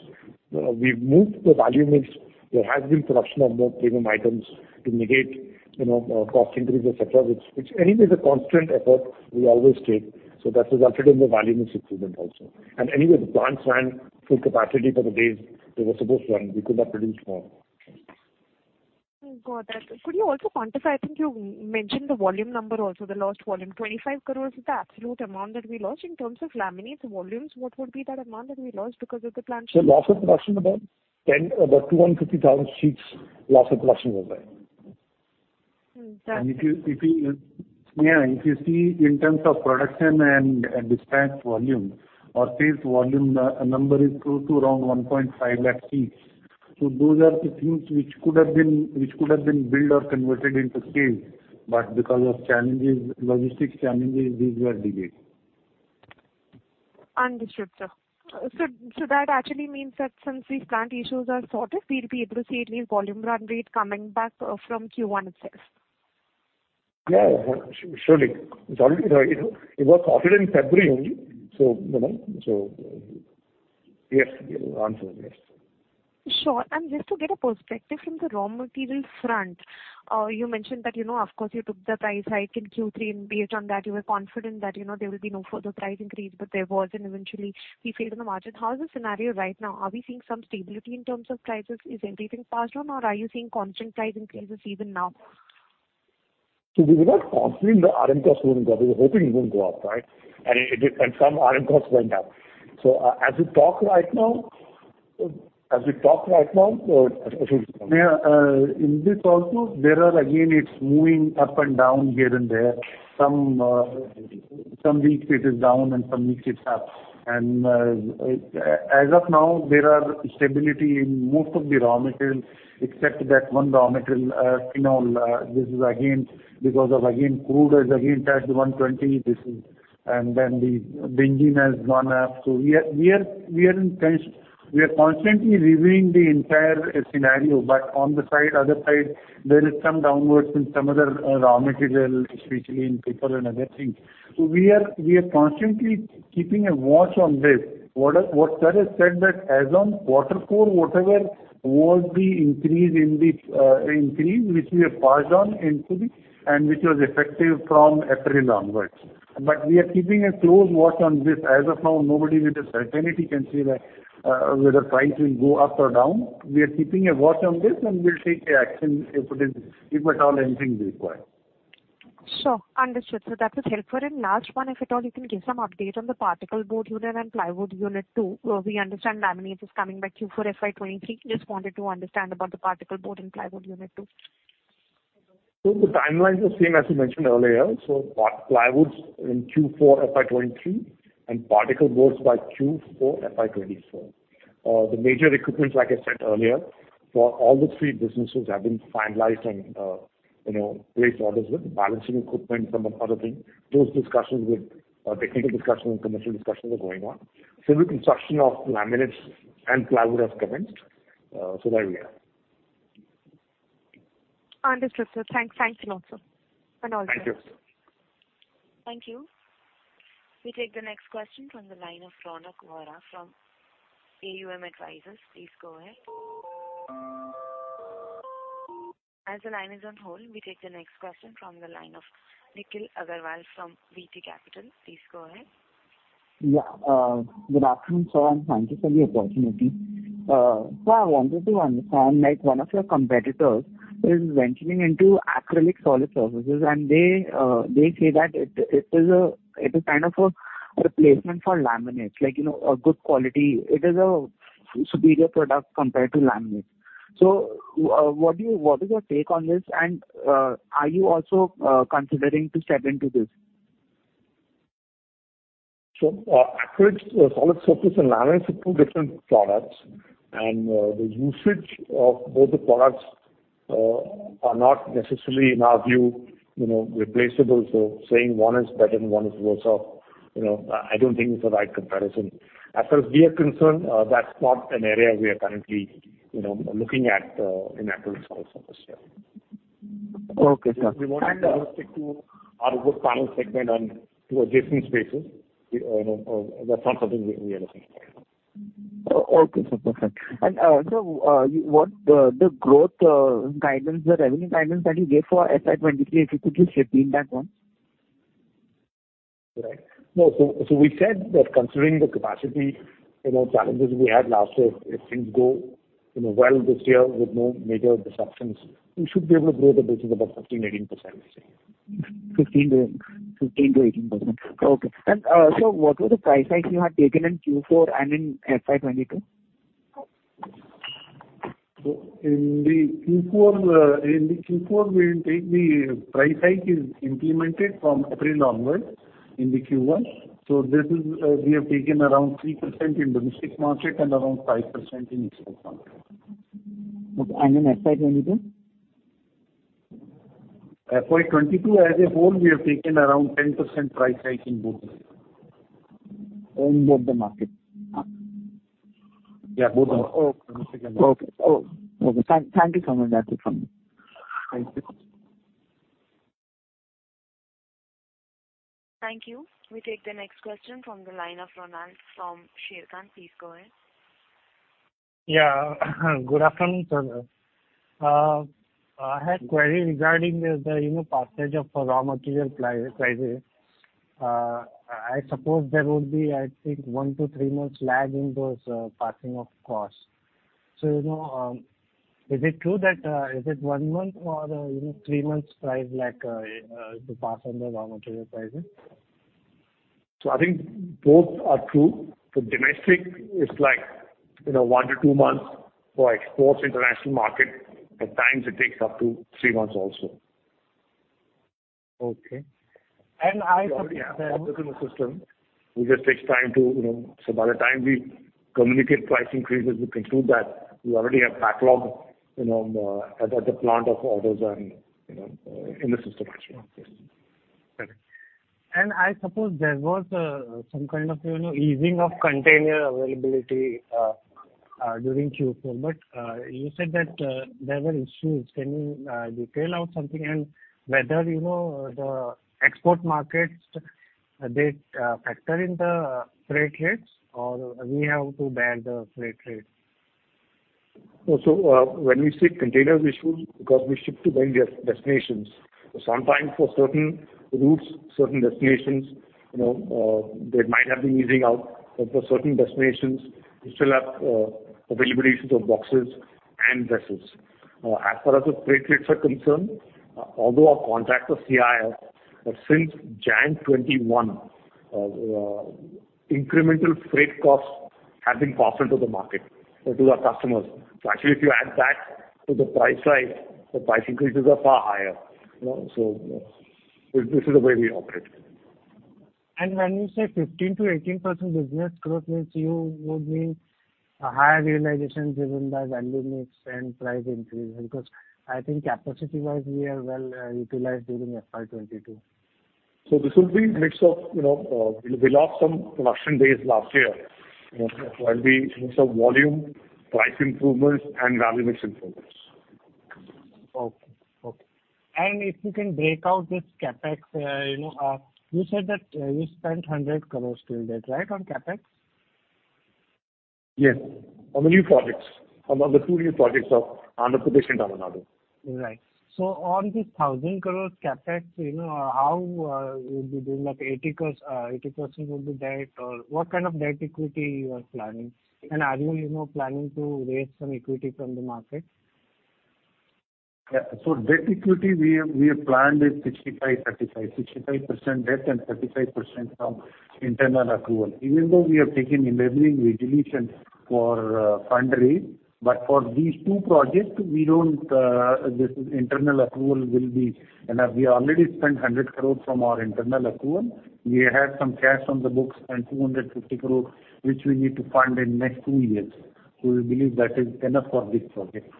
We've moved the value mix. There has been production of more premium items to mitigate, you know, cost increases, et cetera, which anyway is a constant effort we always take. That resulted in the value mix improvement also. Anyway, the plants ran full capacity for the days they were supposed to run. We could not produce more. Got that. Could you also quantify. I think you mentioned the volume number also, the lost volume. 25 crore is the absolute amount that we lost. In terms of laminates volumes, what would be that amount that we lost because of the plant shutdown? Loss of production about 250,000 sheets loss of production was there. Mm. If you see in terms of production and dispatched volume or sales volume, number is close to around 1.5 lakh sheets. Those are the things which could have been built or converted into sales, but because of challenges, logistic challenges, these were delayed. Understood, sir. That actually means that since these plant issues are sorted, we'll be able to see at least volume run rate coming back from Q1 itself. Yeah, surely. It's already, you know, it was sorted in February only. You know, so yes. The answer is yes. Sure. Just to get a perspective from the raw material front, you mentioned that, you know, of course, you took the price hike in Q3, and based on that, you were confident that, you know, there will be no further price increase, but there was, and eventually margins fell. How is the scenario right now? Are we seeing some stability in terms of prices? Is everything passed on, or are you seeing constant price increases even now? We were not confident the RM costs wouldn't go up. We were hoping it wouldn't go up, right? It did, and some RM costs went up. As we talk right now... In this also there are again, it's moving up and down here and there. Some weeks it is down and some weeks it's up. As of now, there are stability in most of the raw materials except that one raw material, phenol. This is again because of again crude has again touched $120. Then the benzene has gone up. We are constantly reviewing the entire scenario. On the other side, there is some downwards in some other raw material, especially in paper and other things. We are constantly keeping a watch on this. What sir has said that as on quarter four, whatever was the increase in the increase which we have passed on into the and which was effective from April onwards. We are keeping a close watch on this. As of now, nobody with a certainty can say that whether price will go up or down. We are keeping a watch on this, and we'll take action if it is, if at all anything is required. Sure. Understood. So that is helpful. Last one, if at all you can give some update on the particle board unit and plywood unit too. We understand laminates is coming by Q4 FY 2023. Just wanted to understand about the particle board and plywood unit too. The timelines are same as we mentioned earlier. Plywood in Q4 FY 2023 and particleboard by Q4 FY 2024. The major equipments, like I said earlier, for all the three businesses have been finalized and placed orders with. Balancing equipment and other things. Those discussions with technical and commercial discussions are going on. Civil construction of laminates and plywood has commenced, so there we are. Understood, sir. Thanks. Thanks a lot, sir. All good. Thank you. Thank you. We take the next question from the line of Ronak Vora from AUM Advisors. Please go ahead. As the line is on hold, we take the next question from the line of Nikhil Agrawal from VT Capital. Please go ahead. Yeah. Good afternoon, sir, and thank you for the opportunity. I wanted to understand, like one of your competitors is venturing into acrylic solid surfaces, and they say that it is kind of a replacement for laminates, like, you know, a good quality. It is a superior product compared to laminate. What is your take on this, and are you also considering to step into this? Acrylic solid surface and laminate are two different products, and the usage of both the products are not necessarily, in our view, you know, replaceable. Saying one is better and one is worse off, you know, I don't think it's the right comparison. As far as we are concerned, that's not an area we are currently, you know, looking at in acrylic solid surface, yeah. Okay, sir. We want to stick to our wood panel segment and to adjacent spaces. You know, that's not something we are looking at right now. Okay, sir. Perfect. What the growth guidance, the revenue guidance that you gave for FY 2023, if you could just repeat that one? We said that considering the capacity, you know, challenges we had last year, if things go, you know, well this year with no major disruptions, we should be able to grow the business about 15-18%. 15%-18%. Okay. What was the price hike you had taken in Q4 and in FY 2022? In the Q4, we will take the price hike is implemented from April onwards in the Q1. We have taken around 3% in domestic market and around 5% in export market. Okay, in FY 2022? FY 2022 as a whole, we have taken around 10% price hike in both. In both the markets. Yeah, both the markets. Oh, okay. Thank you so much. That's it from me. Thank you. Thank you. We take the next question from the line of Ronald from Sharekhan. Please go ahead. Yeah. Good afternoon, sir. I had query regarding the you know passing of raw material prices. I suppose there would be, I think, one to three months lag in those passing of costs. You know, is it true that is it one month or you know three months price like to pass on the raw material prices? I think both are true. For domestic, it's like, you know, one to two months. For exports, international market, at times it takes up to three months also. Okay. I think that. Yeah. That's in the system. It just takes time to, you know. By the time we communicate price increases, we conclude that we already have backlog, you know, at the plant of orders and, you know, in the system actually. Yes. I suppose there was some kind of, you know, easing of container availability during Q4. You said that there were issues. Can you detail out something? Whether, you know, the export markets did factor in the freight rates or we have to bear the freight rates? When we say container issues, because we ship to many destinations. Sometimes for certain routes, certain destinations, you know, they might have been easing out. But for certain destinations, we still have availabilities of boxes and vessels. As far as the freight rates are concerned, although our contracts are CIF, but since January 2021, incremental freight costs have been passed on to the market, so to our customers. Actually, if you add that to the price hike, the price increases are far higher. You know, this is the way we operate. When you say 15%-18% business growth means you would mean a higher realization driven by value mix and price increase. Because I think capacity-wise we are well utilized during FY 2022. This will be mix of, you know, we lost some production days last year. You know, it'll be mix of volume, price improvements, and value mix improvements. Okay. If you can break out this CapEx, you know, you said that you spent 100 crore till date, right, on CapEx? Yes. On the new projects. Among the two new projects of Andhra, Puducherry and Tamil Nadu. On this 1,000 crore CapEx, you know, how you'll be doing that 80% will be debt or what kind of debt equity you are planning? Are you know, planning to raise some equity from the market? Yeah. Debt equity, we have planned is 65/35. 65% debt and 35% from internal accrual. Even though we have taken enabling resolution for fundraise, but for these two projects, this is internal approval will be enough. We already spent 100 crore from our internal accrual. We have some cash on the books and 250 crore, which we need to fund in next two years. We believe that is enough for this project.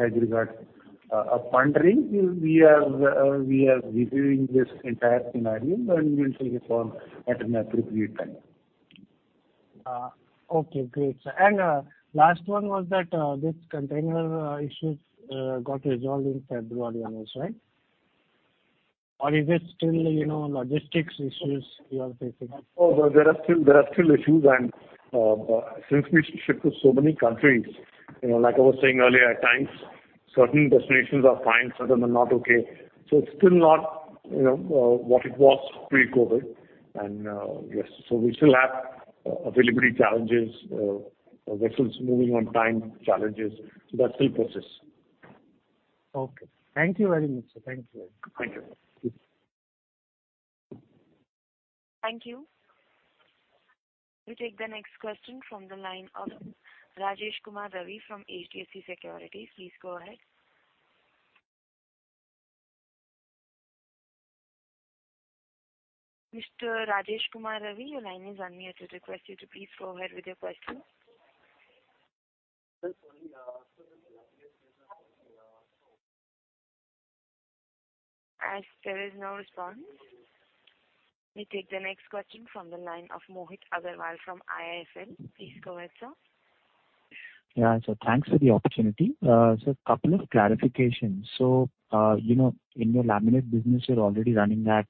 As regards fundraising, we are reviewing this entire scenario, and we will take a call at an appropriate time. Okay, great. Last one was that this container issues got resolved in February onwards, right? Or is it still, you know, logistics issues you are facing? Oh, well, there are still issues. Since we ship to so many countries, you know, like I was saying earlier, at times certain destinations are fine, certain are not okay. It's still not, you know, what it was pre-COVID. Yes, so we still have availability challenges, vessels moving on time challenges. That still persists. Okay. Thank you very much, sir. Thank you very much. Thank you. Thank you. We take the next question from the line of Rajesh Kumar Ravi from HDFC Securities. Please go ahead. Mr. Rajesh Kumar Ravi, your line is unmuted. Request you to please go ahead with your question. As there is no response, we take the next question from the line of Mohit Agrawal from IIFL. Please go ahead, sir. Thanks for the opportunity. Couple of clarifications. You know, in your laminate business, you're already running at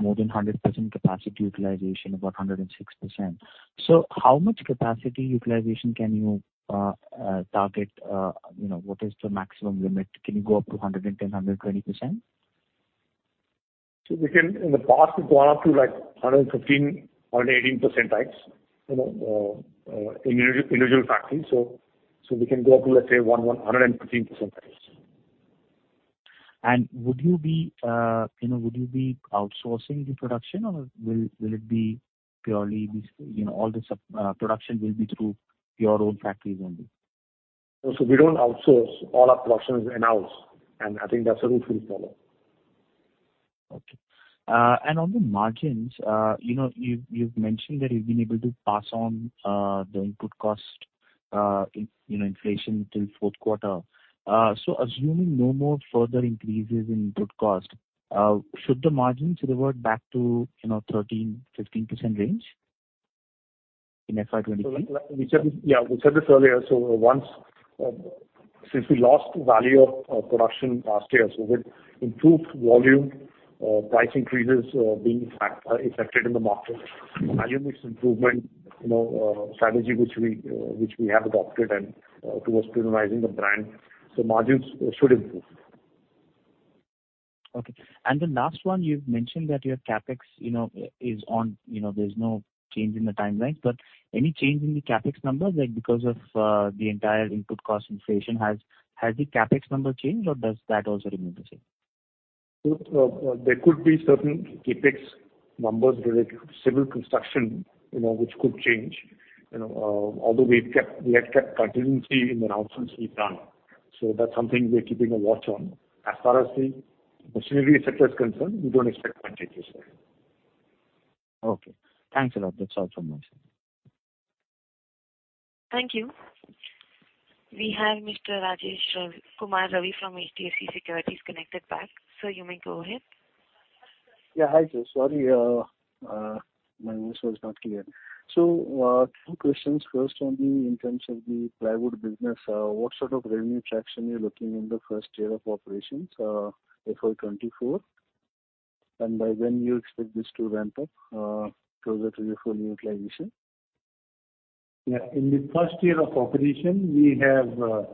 more than 100% capacity utilization, about 106%. How much capacity utilization can you target? You know, what is the maximum limit? Can you go up to 110, 120%? In the past, it's gone up to like 115%, 118% types, you know, in individual factories. We can go up to, let's say 115% types. Would you be, you know, would you be outsourcing the production or will it be purely this, you know, all the production will be through your own factories only? We don't outsource. All our production is in-house, and I think that's the route we'll follow. Okay. On the margins, you know, you've mentioned that you've been able to pass on the input cost in you know inflation till fourth quarter. Assuming no more further increases in input cost, should the margins revert back to you know 13%-15% range in FY 2023? Yeah, we said this earlier. Since we lost volume of production last year, so with improved volume, price increases being accepted in the market, volume mix improvement, you know, strategy which we have adopted and towards prioritizing the brand, so margins should improve. Okay. The last one, you've mentioned that your CapEx, you know, is on, you know, there's no change in the timeline. Any change in the CapEx numbers, like, because of, the entire input cost inflation, has the CapEx number changed or does that also remain the same? There could be certain CapEx numbers related to civil construction, you know, which could change. Although we have kept contingency in the announcements we've done. That's something we're keeping a watch on. As far as the machinery sector is concerned, we don't expect much changes there. Okay. Thanks a lot. That's all from my side. Thank you. We have Mr. Rajesh Kumar Ravi from HDFC Securities connected back. Sir, you may go ahead. Yeah. Hi, sir. Sorry, my voice was not clear. Two questions. First, only in terms of the plywood business, what sort of revenue traction you're looking in the first year of operations, FY 2024? By when you expect this to ramp up, closer to the full utilization? Yeah. In the first year of operation, we have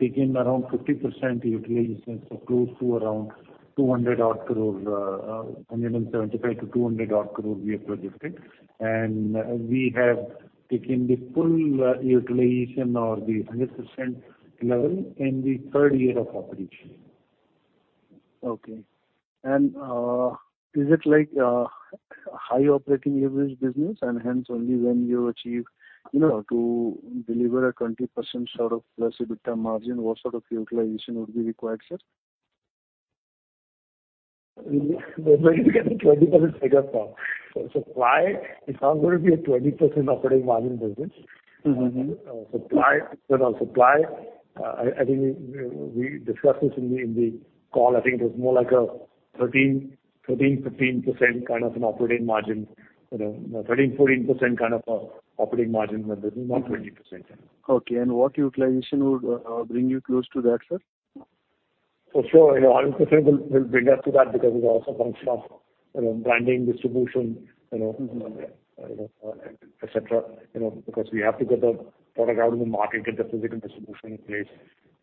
taken around 50% utilization, so close to around 200 odd crore, 175 crore-200 odd crore we are projecting. We have taken the full utilization or the 100% level in the third year of operation. Okay. Is it like a high operating leverage business and hence only when you achieve, you know, to deliver a 20% sort of plus EBITDA margin, what sort of utilization would be required, sir? Where did you get the 20% figure from? Supply is not going to be a 20% operating margin business. Mm-hmm. I think we discussed this in the call. I think it was more like a 13%-15% kind of an operating margin. You know, 13%-14% kind of a operating margin, but it is not 20%. Okay. What utilization would bring you close to that, sir? For sure, you know, 100% we'll bring us to that because it also comes from, you know, branding, distribution, you know, you know, et cetera. You know, because we have to get the product out in the market, get the physical distribution in place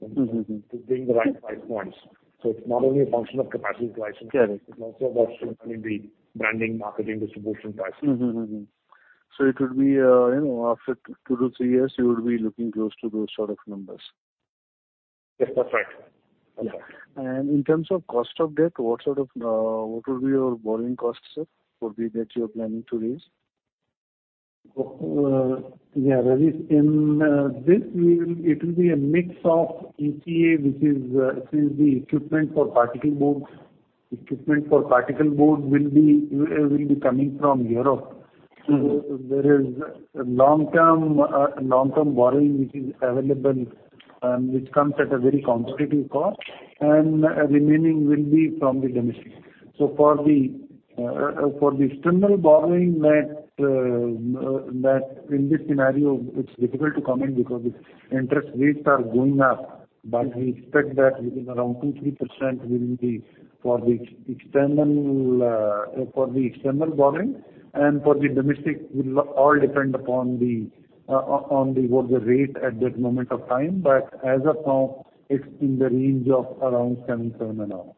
to bring the right price points. It's not only a function of capacity price. Sure. It's also a function in the branding, marketing, distribution price. It will be, you know, after two to three years you will be looking close to those sort of numbers. Yes, that's right. Okay. In terms of cost of debt, what sort of, what will be your borrowing cost, sir, for the debt you're planning to raise? Yeah, Rajesh. It will be a mix of ECA, which is the equipment for particle board. Equipment for particle board will be coming from Europe. Mm-hmm. There is long-term borrowing which is available, which comes at a very competitive cost, and remaining will be from the domestic. For the external borrowing that in this scenario it's difficult to comment because the interest rates are going up. We expect that within around 2-3% will be for the external borrowing. For the domestic, it'll all depend upon what the rate at that moment of time. As of now, it's in the range of around 7% or so.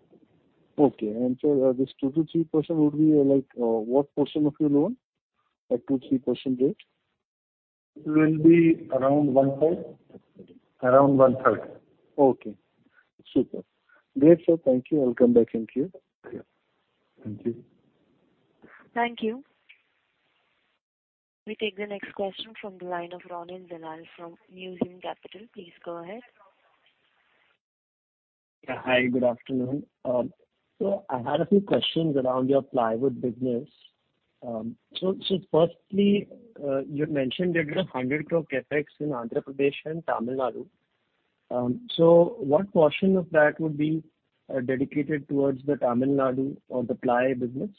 Okay. Sir, this 2%-3% would be, like, what portion of your loan, that 2%-3% rate? It will be around 1/3. Okay. Super. Great, sir. Thank you. I'll come back in queue. Okay. Thank you. Thank you. We take the next question from the line of Ronin Dalal from Museum Capital. Please go ahead. Yeah. Hi, good afternoon. I had a few questions around your plywood business. You'd mentioned you had 100 crore CapEx in Andhra Pradesh and Tamil Nadu. What portion of that would be dedicated towards the Tamil Nadu or the ply business?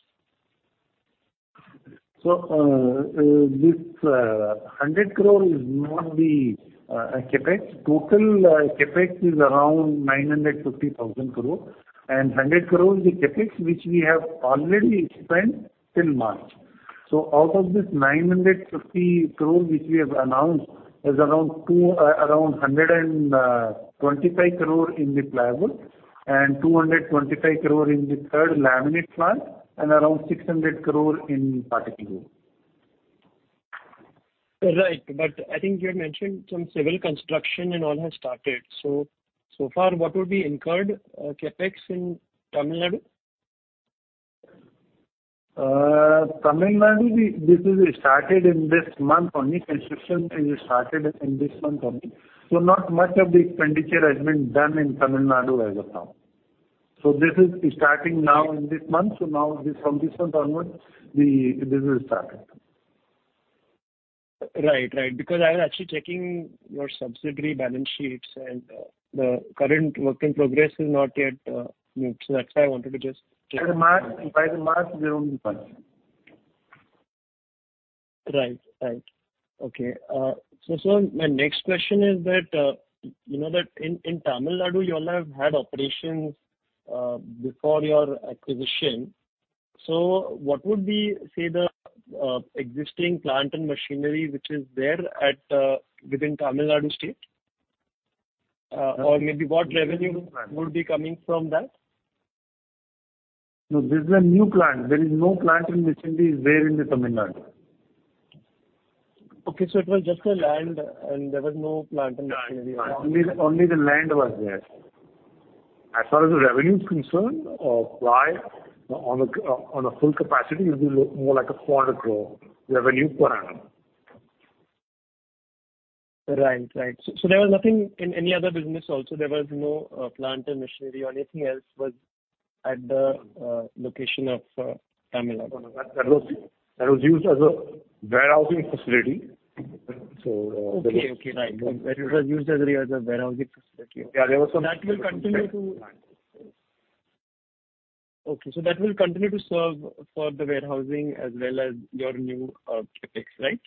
This 100 crore is not the CapEx. Total CapEx is around 950 crore, and 100 crore is the CapEx which we have already spent till March. Out of this 950 crore which we have announced is around 125 crore in the plywood and 225 crore in the third laminate plant and around 600 crore in particle board. Right. I think you had mentioned some civil construction and all have started. So far, what would be incurred, CapEx in Tamil Nadu? Tamil Nadu. This is started in this month only. Construction is started in this month only. Not much of the expenditure has been done in Tamil Nadu as of now. This is starting now in this month. Now this, from this month onwards, the business started. Right. Because I was actually checking your subsidiary balance sheets and the current work in progress is not yet moved. That's why I wanted to just check. By the March it will be done. Right. Okay. Sir, my next question is that, you know that in Tamil Nadu you all have had operations before your acquisition. What would be, say, the existing plant and machinery which is there at within Tamil Nadu state? Or maybe what revenue would be coming from that? No, this is a new plant. There is no plant and machinery there in the Tamil Nadu. Okay, it was just a land and there was no plant and machinery. Yeah. Only the land was there. As far as the revenue is concerned of ply, on a full capacity it'll be more like INR 400 crore revenue per annum. Right. There was nothing in any other business also. There was no plant and machinery or anything else was at the location of Tamil Nadu? No, no. That was used as a warehousing facility. Okay. Right. That was used as a warehousing facility. Yeah. There was some. Okay, that will continue to serve for the warehousing as well as your new CapEx, right?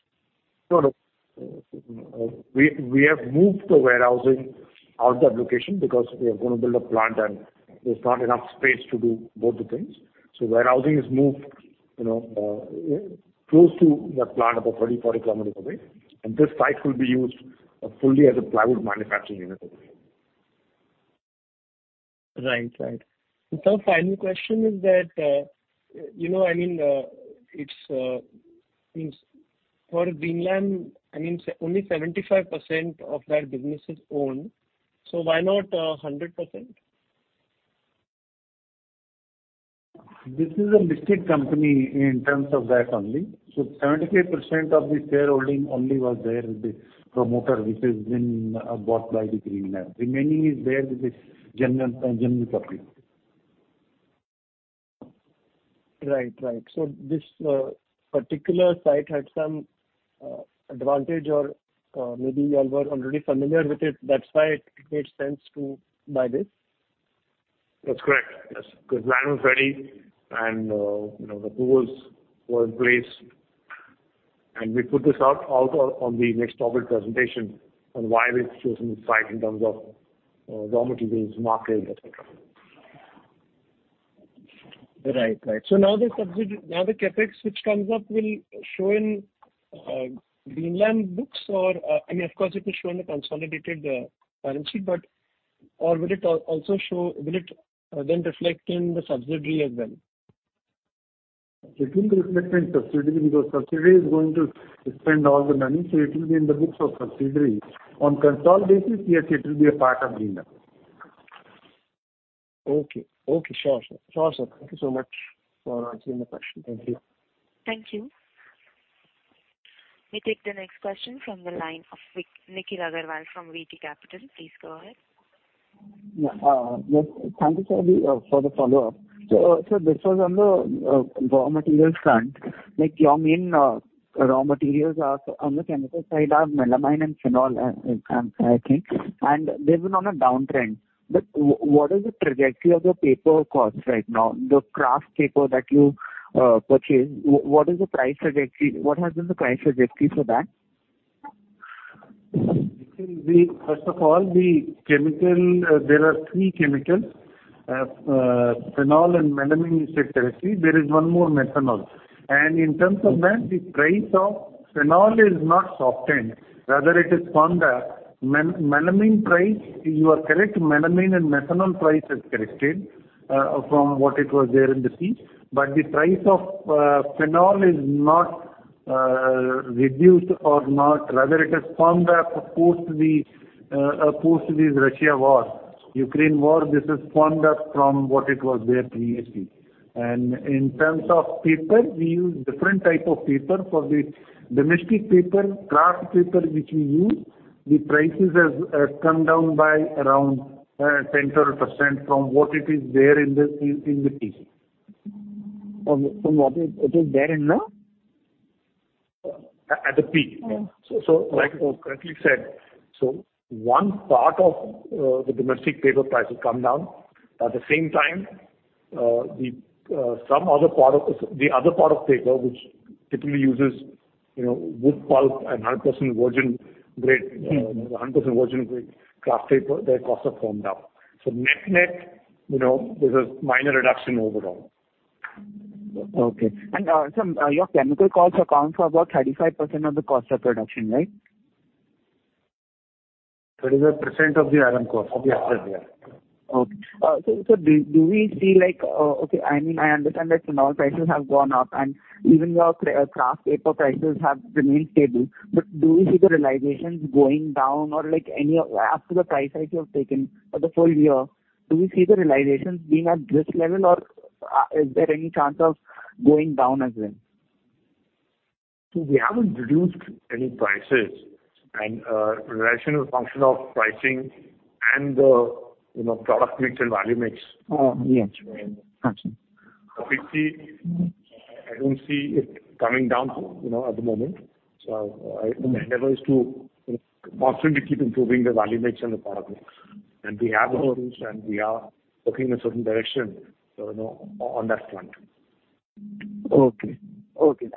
No, no. We have moved the warehousing out of that location because we are gonna build a plant and there's not enough space to do both the things. Warehousing is moved, you know, close to that plant, about 30 km-40 km away. This site will be used fully as a plywood manufacturing unit only. Right. Final question is that, you know, I mean, it's for Greenlam, I mean, only 75% of that business is owned, so why not 100%? This is a listed company in terms of that only. 75% of the shareholding only was there with the promoter, which has been bought by Greenlam. Remaining is there with the general public. Right. This particular site had some advantage or maybe you all were already familiar with it, that's why it made sense to buy this? That's correct. Yes. Because land was ready and, you know, the tools were in place. We put this out on the next profit presentation on why we've chosen this site in terms of raw materials, market, et cetera. Right. Now the CapEx which comes up will show in Greenlam books or, I mean, of course it will show in the consolidated balance sheet, but. Or will it then reflect in the subsidiary as well? It will reflect in subsidiary because subsidiary is going to spend all the money, so it will be in the books of subsidiary. On consolidated, yes, it will be a part of Greenlam. Okay. Sure, sir. Thank you so much for answering the question. Thank you. Thank you. We take the next question from the line of Nikhil Agrawal from VT Capital. Please go ahead. Yeah. Yes, thank you, sir, for the follow-up. Sir, this was on the raw materials front. Like, your main raw materials are, on the chemical side, melamine and phenol, I think, and they've been on a downtrend. What is the trajectory of the paper costs right now? The kraft paper that you purchase, what is the price trajectory? What has been the price trajectory for that? First of all, the chemical, there are three chemicals. Phenol and melamine you said correctly. There is one more, methanol. In terms of that, the price of phenol is not softened, rather it has firm up. Melamine price, you are correct, melamine and methanol price has corrected from what it was there in the peak. The price of phenol is not reduced or not, rather it has firm up post this Russia war, Ukraine war. This has firm up from what it was there previously. In terms of paper, we use different type of paper. For the domestic paper, kraft paper which we use, the prices has come down by around 10%-12% from what it is there in the peak. From what it is there in the? At the peak. Yeah. Like you correctly said, one part of the domestic paper price has come down. At the same time, the other part of paper which typically uses, you know, wood pulp and 100% virgin grade kraft paper, their costs have come down. Net-net, you know, there's a minor reduction overall. Okay. Sir, your chemical costs account for about 35% of the cost of production, right? 3%% of the RM cost. Okay. I mean, I understand that raw prices have gone up and even your kraft paper prices have remained stable. Do we see the realizations going down after the price hike you have taken for the full year, do we see the realizations being at this level or is there any chance of going down as well? We haven't reduced any prices and realization is a function of pricing and the, you know, product mix and value mix. Oh, yes. Got you. I don't see it coming down, you know, at the moment. Our endeavor is to, you know, constantly keep improving the value mix and the product mix. We have the tools and we are working in a certain direction, you know, on that front. Okay.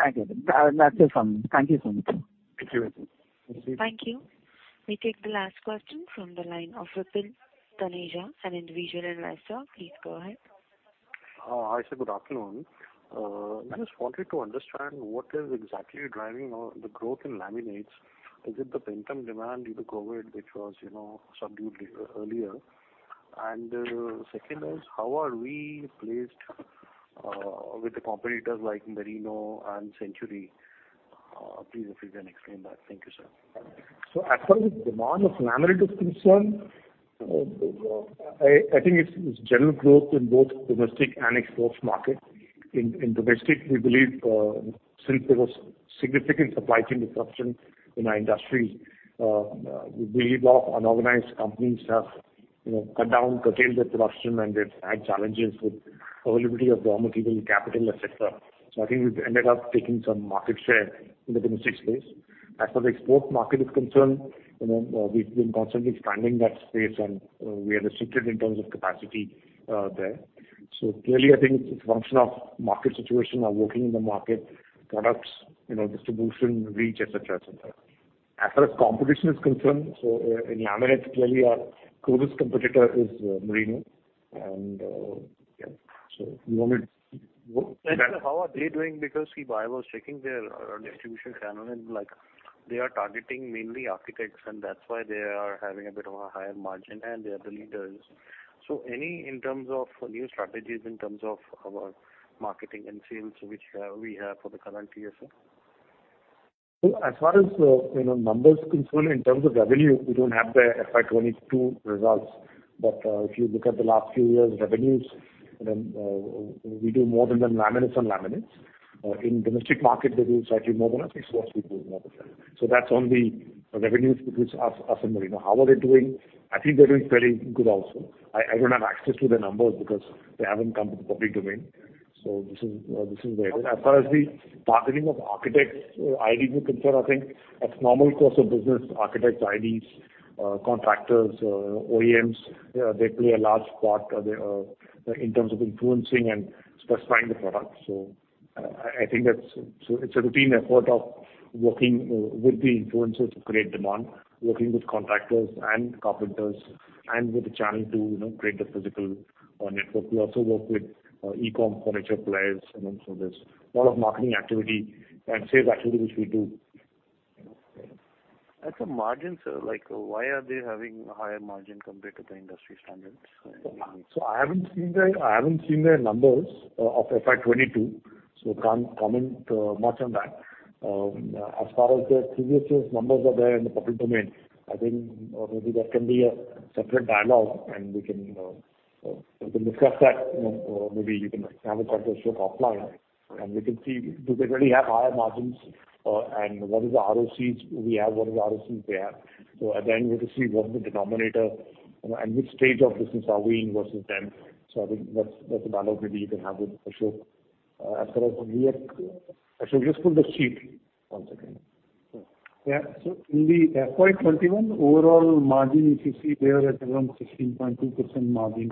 Thank you. That's it from me. Thank you so much. Thank you very much. Thank you. We take the last question from the line of Vipin Taneja, an individual investor. Please go ahead. Hi, sir. Good afternoon. I just wanted to understand what is exactly driving the growth in laminates. Is it the pent-up demand due to COVID which was, you know, subdued earlier? Second is how are we placed with the competitors like Merino and Century? Please if you can explain that. Thank you, sir. As far as demand of laminate is concerned, I think it's general growth in both domestic and export market. In domestic we believe, since there was significant supply chain disruption in our industry, we believe a lot of unorganized companies have, you know, cut down, curtailed their production and they've had challenges with availability of raw material, capital, et cetera. I think we've ended up taking some market share in the domestic space. As far as export market is concerned, you know, we've been constantly expanding that space and we are restricted in terms of capacity, there. Clearly, I think it's a function of market situation, our working in the market, products, you know, distribution reach, et cetera, et cetera. As far as competition is concerned, in laminate clearly our closest competitor is Merino and, yeah. How are they doing? Because I was checking their distribution channel and like they are targeting mainly architects and that's why they are having a bit of a higher margin and they are the leaders. Any in terms of new strategies in terms of our marketing and sales which we have for the current year, sir? As far as the numbers are concerned, you know, in terms of revenue we don't have their FY 2022 results. If you look at the last few years' revenues, then we do more than them laminates on laminates. In domestic market they do slightly more than us, exports we do more than them. That's on the revenues which are similar. How are they doing? I think they're doing fairly good also. I don't have access to their numbers because they haven't come to the public domain. This is where. As far as the targeting of architects, IDs are concerned, I think as normal course of business, architects, IDs, contractors, OEMs they play a large part in terms of influencing and specifying the product. I think that's. It's a routine effort of working with the influencers to create demand, working with contractors and carpenters and with the channel to, you know, create the physical network. We also work with e-com furniture players and also there's a lot of marketing activity and sales activity which we do. As a margin, sir, like, why are they having a higher margin compared to the industry standards? I haven't seen their numbers of FY 2022, so can't comment much on that. As far as the previous year's numbers are there in the public domain, I think maybe that can be a separate dialogue and we can discuss that. You know, maybe you can have a conversation with Ashok and we can see do they really have higher margins, and what is the ROC we have, what is the ROC they have. At the end we have to see what is the denominator, you know, and which stage of business are we in versus them. I think that's a dialogue maybe you can have with Ashok. Ashok, just pull the sheet one second. Sure. In the FY 2021 overall margin, if you see they are at around 16.2% margin.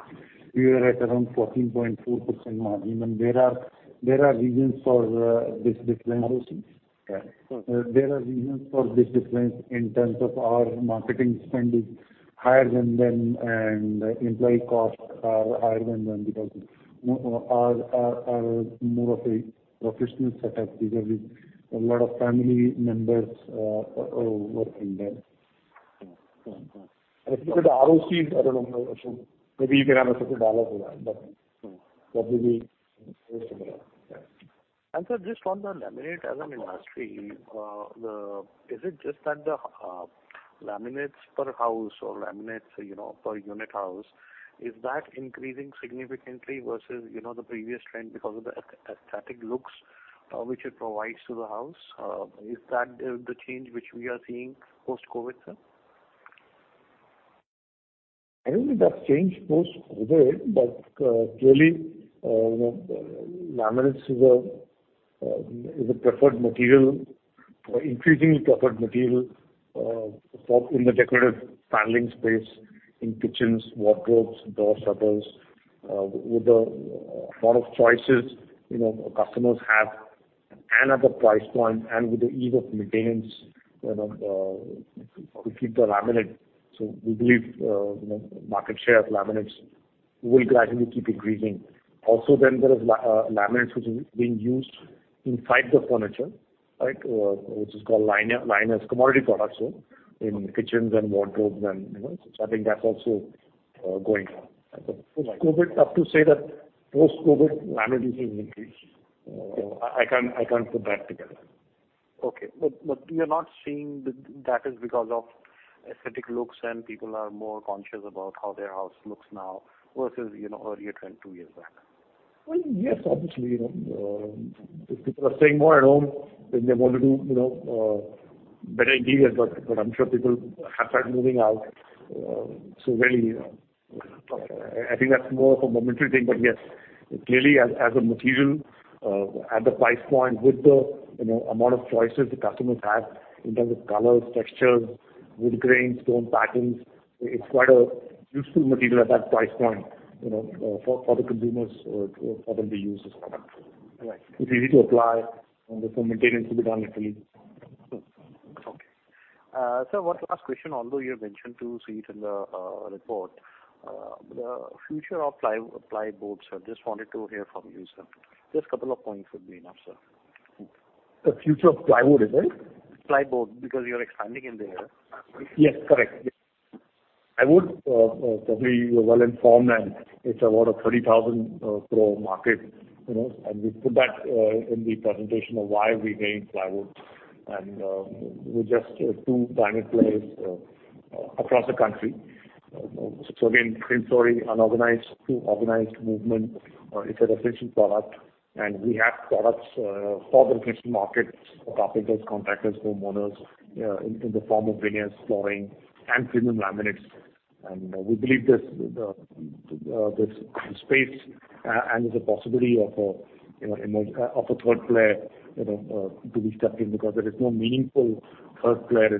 We are at around 14.4% margin and there are reasons for this decline. ROCs? Yeah. There are reasons for this decline in terms of our marketing spending higher than them and employee costs are higher than them because our more of a professional setup. They have a lot of family members working there. Okay. If you look at the ROCs, I don't know, Ashok, maybe you can have a separate dialogue with them, but that will be very similar. Sir, just on the laminates industry, is it just that the laminates per house or laminates, you know, per unit house, is that increasing significantly versus, you know, the previous trend because of the aesthetic looks, which it provides to the house? Is that the change which we are seeing post-COVID, sir? I don't think that's changed post-COVID but clearly, you know, laminates is a preferred material or increasingly preferred material for in the decorative paneling space in kitchens, wardrobes, door shutters. With the lot of choices, you know, customers have and at the price point and with the ease of maintenance, you know, to keep the laminate. So we believe, you know, market share of laminates will gradually keep increasing. Also, then there is laminates which is being used inside the furniture, right? Which is called liners, commodity products in kitchens and wardrobes and, you know. I think that's also going on. Right. COVID, tough to say that post-COVID laminates will increase. I can't put that together. You're not seeing that. That is because of aesthetic looks and people are more conscious about how their house looks now versus, you know, earlier trend two years back. Yes, obviously, you know, if people are staying more at home, then they want to do, you know, better interiors. I'm sure people have started moving out. Really, I think that's more of a momentary thing. Yes, clearly as a material, at the price point with the, you know, amount of choices the customers have in terms of colors, textures, wood grains, stone patterns, it's quite a useful material at that price point, you know, for the consumers or for the users. Right. It's easy to apply, and there's some maintenance to be done actually. Okay. Sir, one last question. Although you have mentioned two suites in the report, the future of plywood, I just wanted to hear from you, sir. Just couple of points would be enough, sir. The future of plywood is it? Plyboard, because you are expanding in there. Yes, correct. Yes. I would probably you're well informed that it's about a 30,000 crore market, you know, and we put that in the presentation of why we're doing plywood. We're just two tiny players across the country. Again, same story, unorganized to organized movement. It's an essential product, and we have products for the retail markets, carpenters, contractors, homeowners in the form of veneers, flooring, and premium laminates. We believe this space and the possibility of a, you know, entry of a third player, you know, to step in because there is no meaningful third player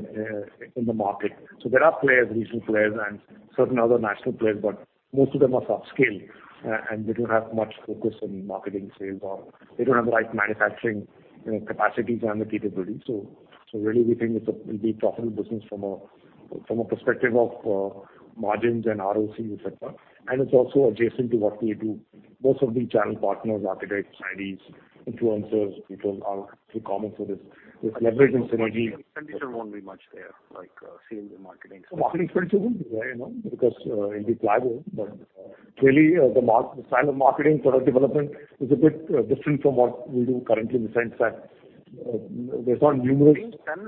in the market. There are players, regional players and certain other national players, but most of them are subscale, and they don't have much focus on marketing, sales, or they don't have the right manufacturing, you know, capacities and the capability. Really, we think it's a profitable business from a perspective of margins and ROC, et cetera. It's also adjacent to what we do. Most of the channel partners, architects, designers, influencers, people are pretty common for this. We've leveraged the synergy. Spending won't be much there, like sales and marketing. The marketing spend will be there, you know, because it'll be plywood. Clearly, the style of marketing, product development is a bit different from what we do currently in the sense that, there's not numerous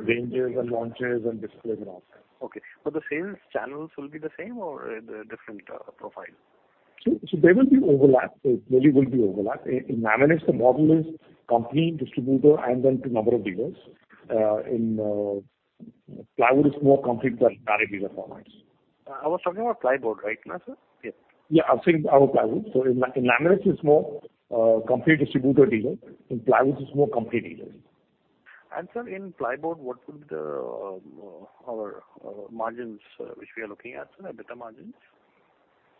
ranges and launches and displays and all that. Okay. The sales channels will be the same or different profile? There will be overlap. There really will be overlap. In laminates the model is company, distributor, and then to number of dealers. In plywood is more company to direct dealer formats. I was talking about plyboards, right now, sir? Yes. Yeah, I was saying about plywood. In laminates it's more company, distributor, dealer. In plywood it's more company dealers. Sir, in plyboard, what would our margins, which we are looking at, sir? EBITDA margins?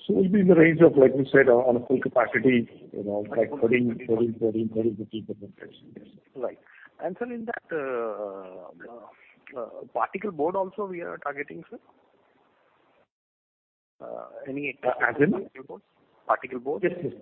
It'll be in the range of, like we said, on a full capacity, you know, like 14%-15%. Right. Sir, in that, particle board also we are targeting, sir? Pardon? Particle board? Yes,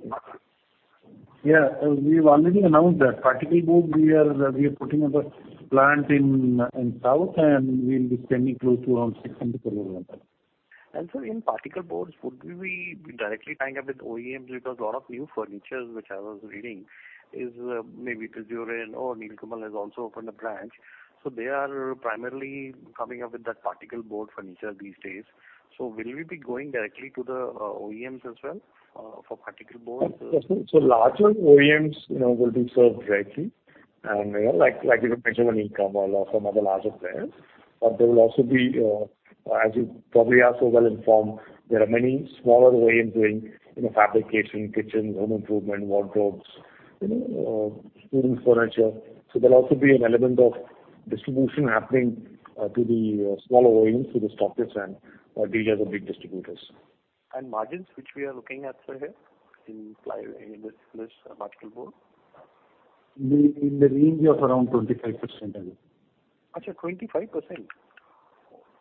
yes. Yeah. We've already announced that. Particle board we are putting up a plant in south and we'll be spending close to around 600 crore rupees on that. Sir, in particle board, would we be directly tying up with OEMs? Because a lot of new furnitures which I was reading is, maybe or Nilkamal has also opened a branch. They are primarily coming up with that particle board furniture these days. Will we be going directly to the OEMs as well for particle board? Larger OEMs, you know, will be served directly and, you know, like you mentioned Nilkamal or some other larger players. There will also be, as you probably are so well informed, there are many smaller OEMs doing, you know, fabrication, kitchens, home improvement, wardrobes, you know, students' furniture. There'll be an element of distribution happening, to the smaller OEMs, to the stockists and, dealers or big distributors. Margins which we are looking at, sir, here in this particle board? Be in the range of around 25% I think. Achha 25%? Okay.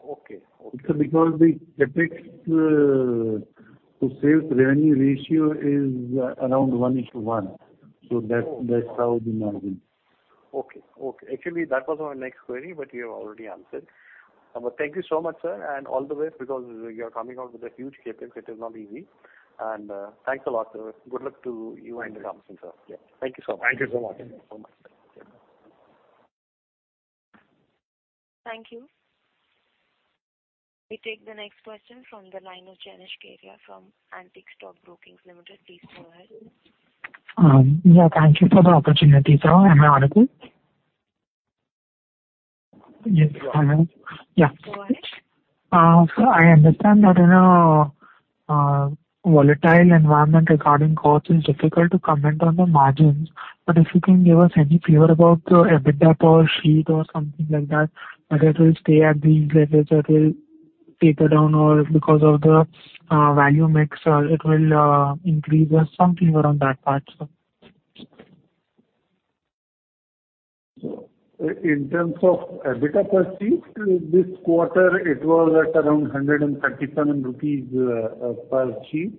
Okay. It's because the purchase to sales revenue ratio is around 1:1. That's how the margin. Okay. Actually, that was our next query, but you have already answered. Thank you so much, sir, and all the best because you're coming out with a huge CapEx, it is not easy. Thanks a lot, sir. Good luck to you and the company, sir. Thank you. Thank you so much. Thank you so much. Thank you so much. Yeah. Thank you. We take the next question from Jenish Karia from Antique Stock Broking Limited. Please go ahead. Yeah, thank you for the opportunity, sir. Am I audible? Yes, you are. Yeah. Go ahead. I understand that in a volatile environment regarding costs, it's difficult to comment on the margins. If you can give us any flavor about the EBITDA per sheet or something like that, whether it will stay at these levels or it will taper down or because of the value mix, it will increase or some flavor on that part, sir? In terms of EBITDA per sheet, this quarter it was at around 137 rupees per sheet,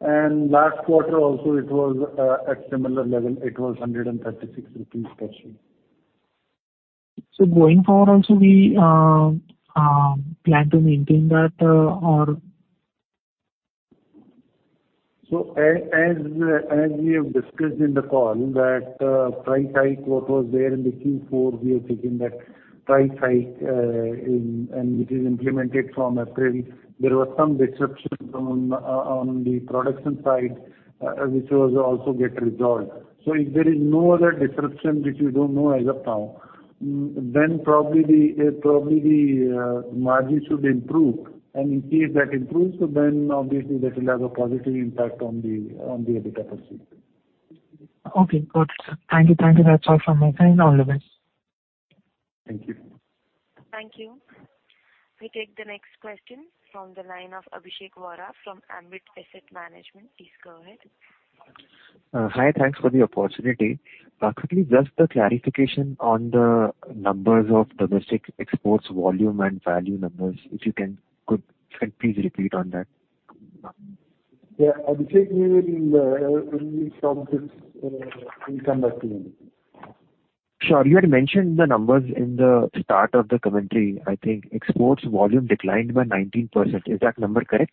and last quarter also it was at similar level. It was 136 rupees per sheet. Going forward also we plan to maintain that or? As we have discussed in the call that price hike what was there in the Q4, we have taken that price hike and it is implemented from April. There was some disruption on the production side which was also get resolved. If there is no other disruption which we don't know as of now, then probably the margin should improve. In case that improves, then obviously that will have a positive impact on the EBITDA per sheet. Okay, got it, sir. Thank you. Thank you. That's all from my end. All the best. Thank you. Thank you. We take the next question from the line of Abhishek Vora from Ambit Asset Management. Please go ahead. Hi. Thanks for the opportunity. Quickly just a clarification on the numbers of domestic exports volume and value numbers, could you please repeat on that? Yeah, Abhishek, we will, when we come to income statement. Sure. You had mentioned the numbers in the start of the commentary. I think exports volume declined by 19%. Is that number correct?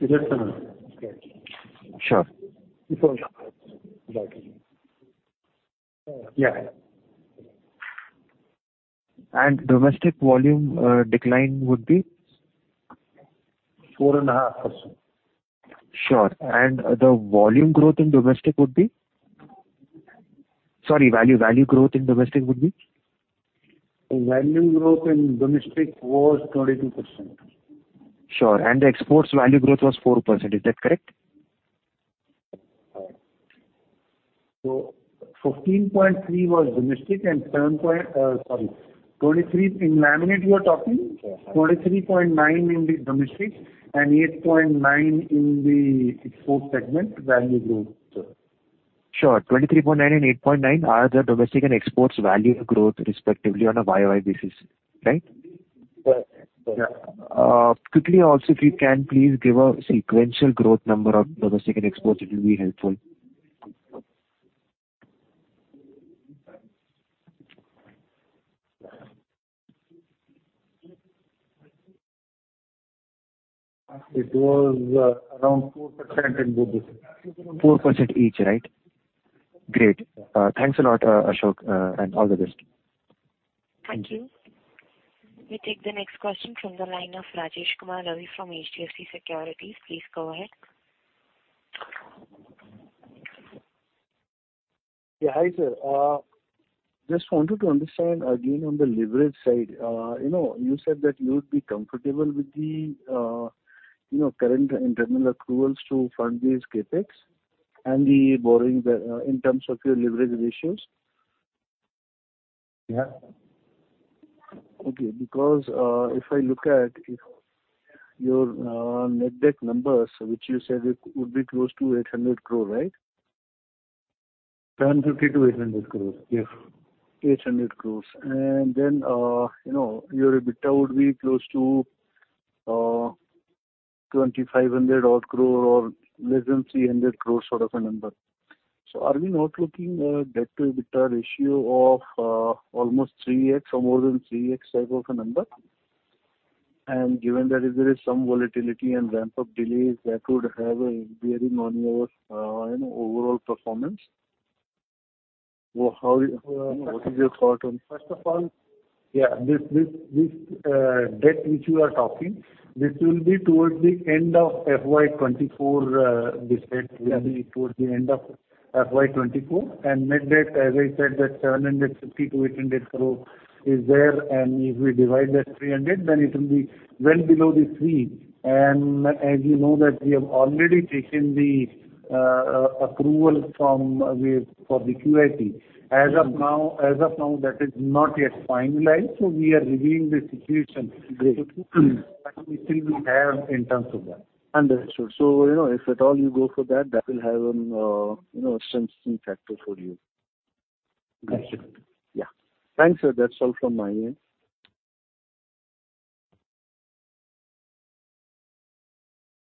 Is that the number? Sure. Before that. Yeah. Domestic volume decline would be? 4.5%. Sure. The value growth in domestic would be? Volume growth in domestic was 22%. Sure. The exports value growth was 4%. Is that correct? 15.3% was domestic and, sorry, 23%. In laminates you are talking? Yes, sir. 23.9% in the domestic and 8.9% in the export segment value growth. Sure. 23.9% and 8.9% are the domestic and exports value growth respectively on a YoY basis. Right? Yes. Quickly also, if you can please give a sequential growth number of domestic and exports, it will be helpful. It was around 4% in both. 4% each, right? Great. Thanks a lot, Ashok. All the best. Thank you. We take the next question from the line of Rajesh Kumar Ravi from HDFC Securities. Please go ahead. Yeah, hi sir. Just wanted to understand again on the leverage side. You know, you said that you would be comfortable with the, you know, current internal accruals to fund this CapEx and the borrowing, in terms of your leverage ratios. Yeah. Okay. Because, if I look at your net debt numbers, which you said it would be close to 800 crore, right? 750 crore-800 crore, yes. 800 crore. Your EBITDA would be close to 2,500 odd crore or less than 300 crore sort of a number. Are we not looking at a debt to EBITDA ratio of almost 3x or more than 3x type of a number? Given that if there is some volatility and ramp-up delays that would have a bearing on your overall performance. What is your thought on this? First of all, yeah, this debt which you are talking, this will be towards the end of FY 2024. Net debt, as I said that 750 crore-800 crore is there, and if we divide that 300, then it will be well below the three. As you know that we have already taken the approval for the QIP. As of now, that is not yet finalized. We are reviewing the situation. Great. We think we have in terms of that. Understood. You know, if at all you go for that will have, you know, strengthening factor for you. That's it. Yeah. Thanks, sir. That's all from my end.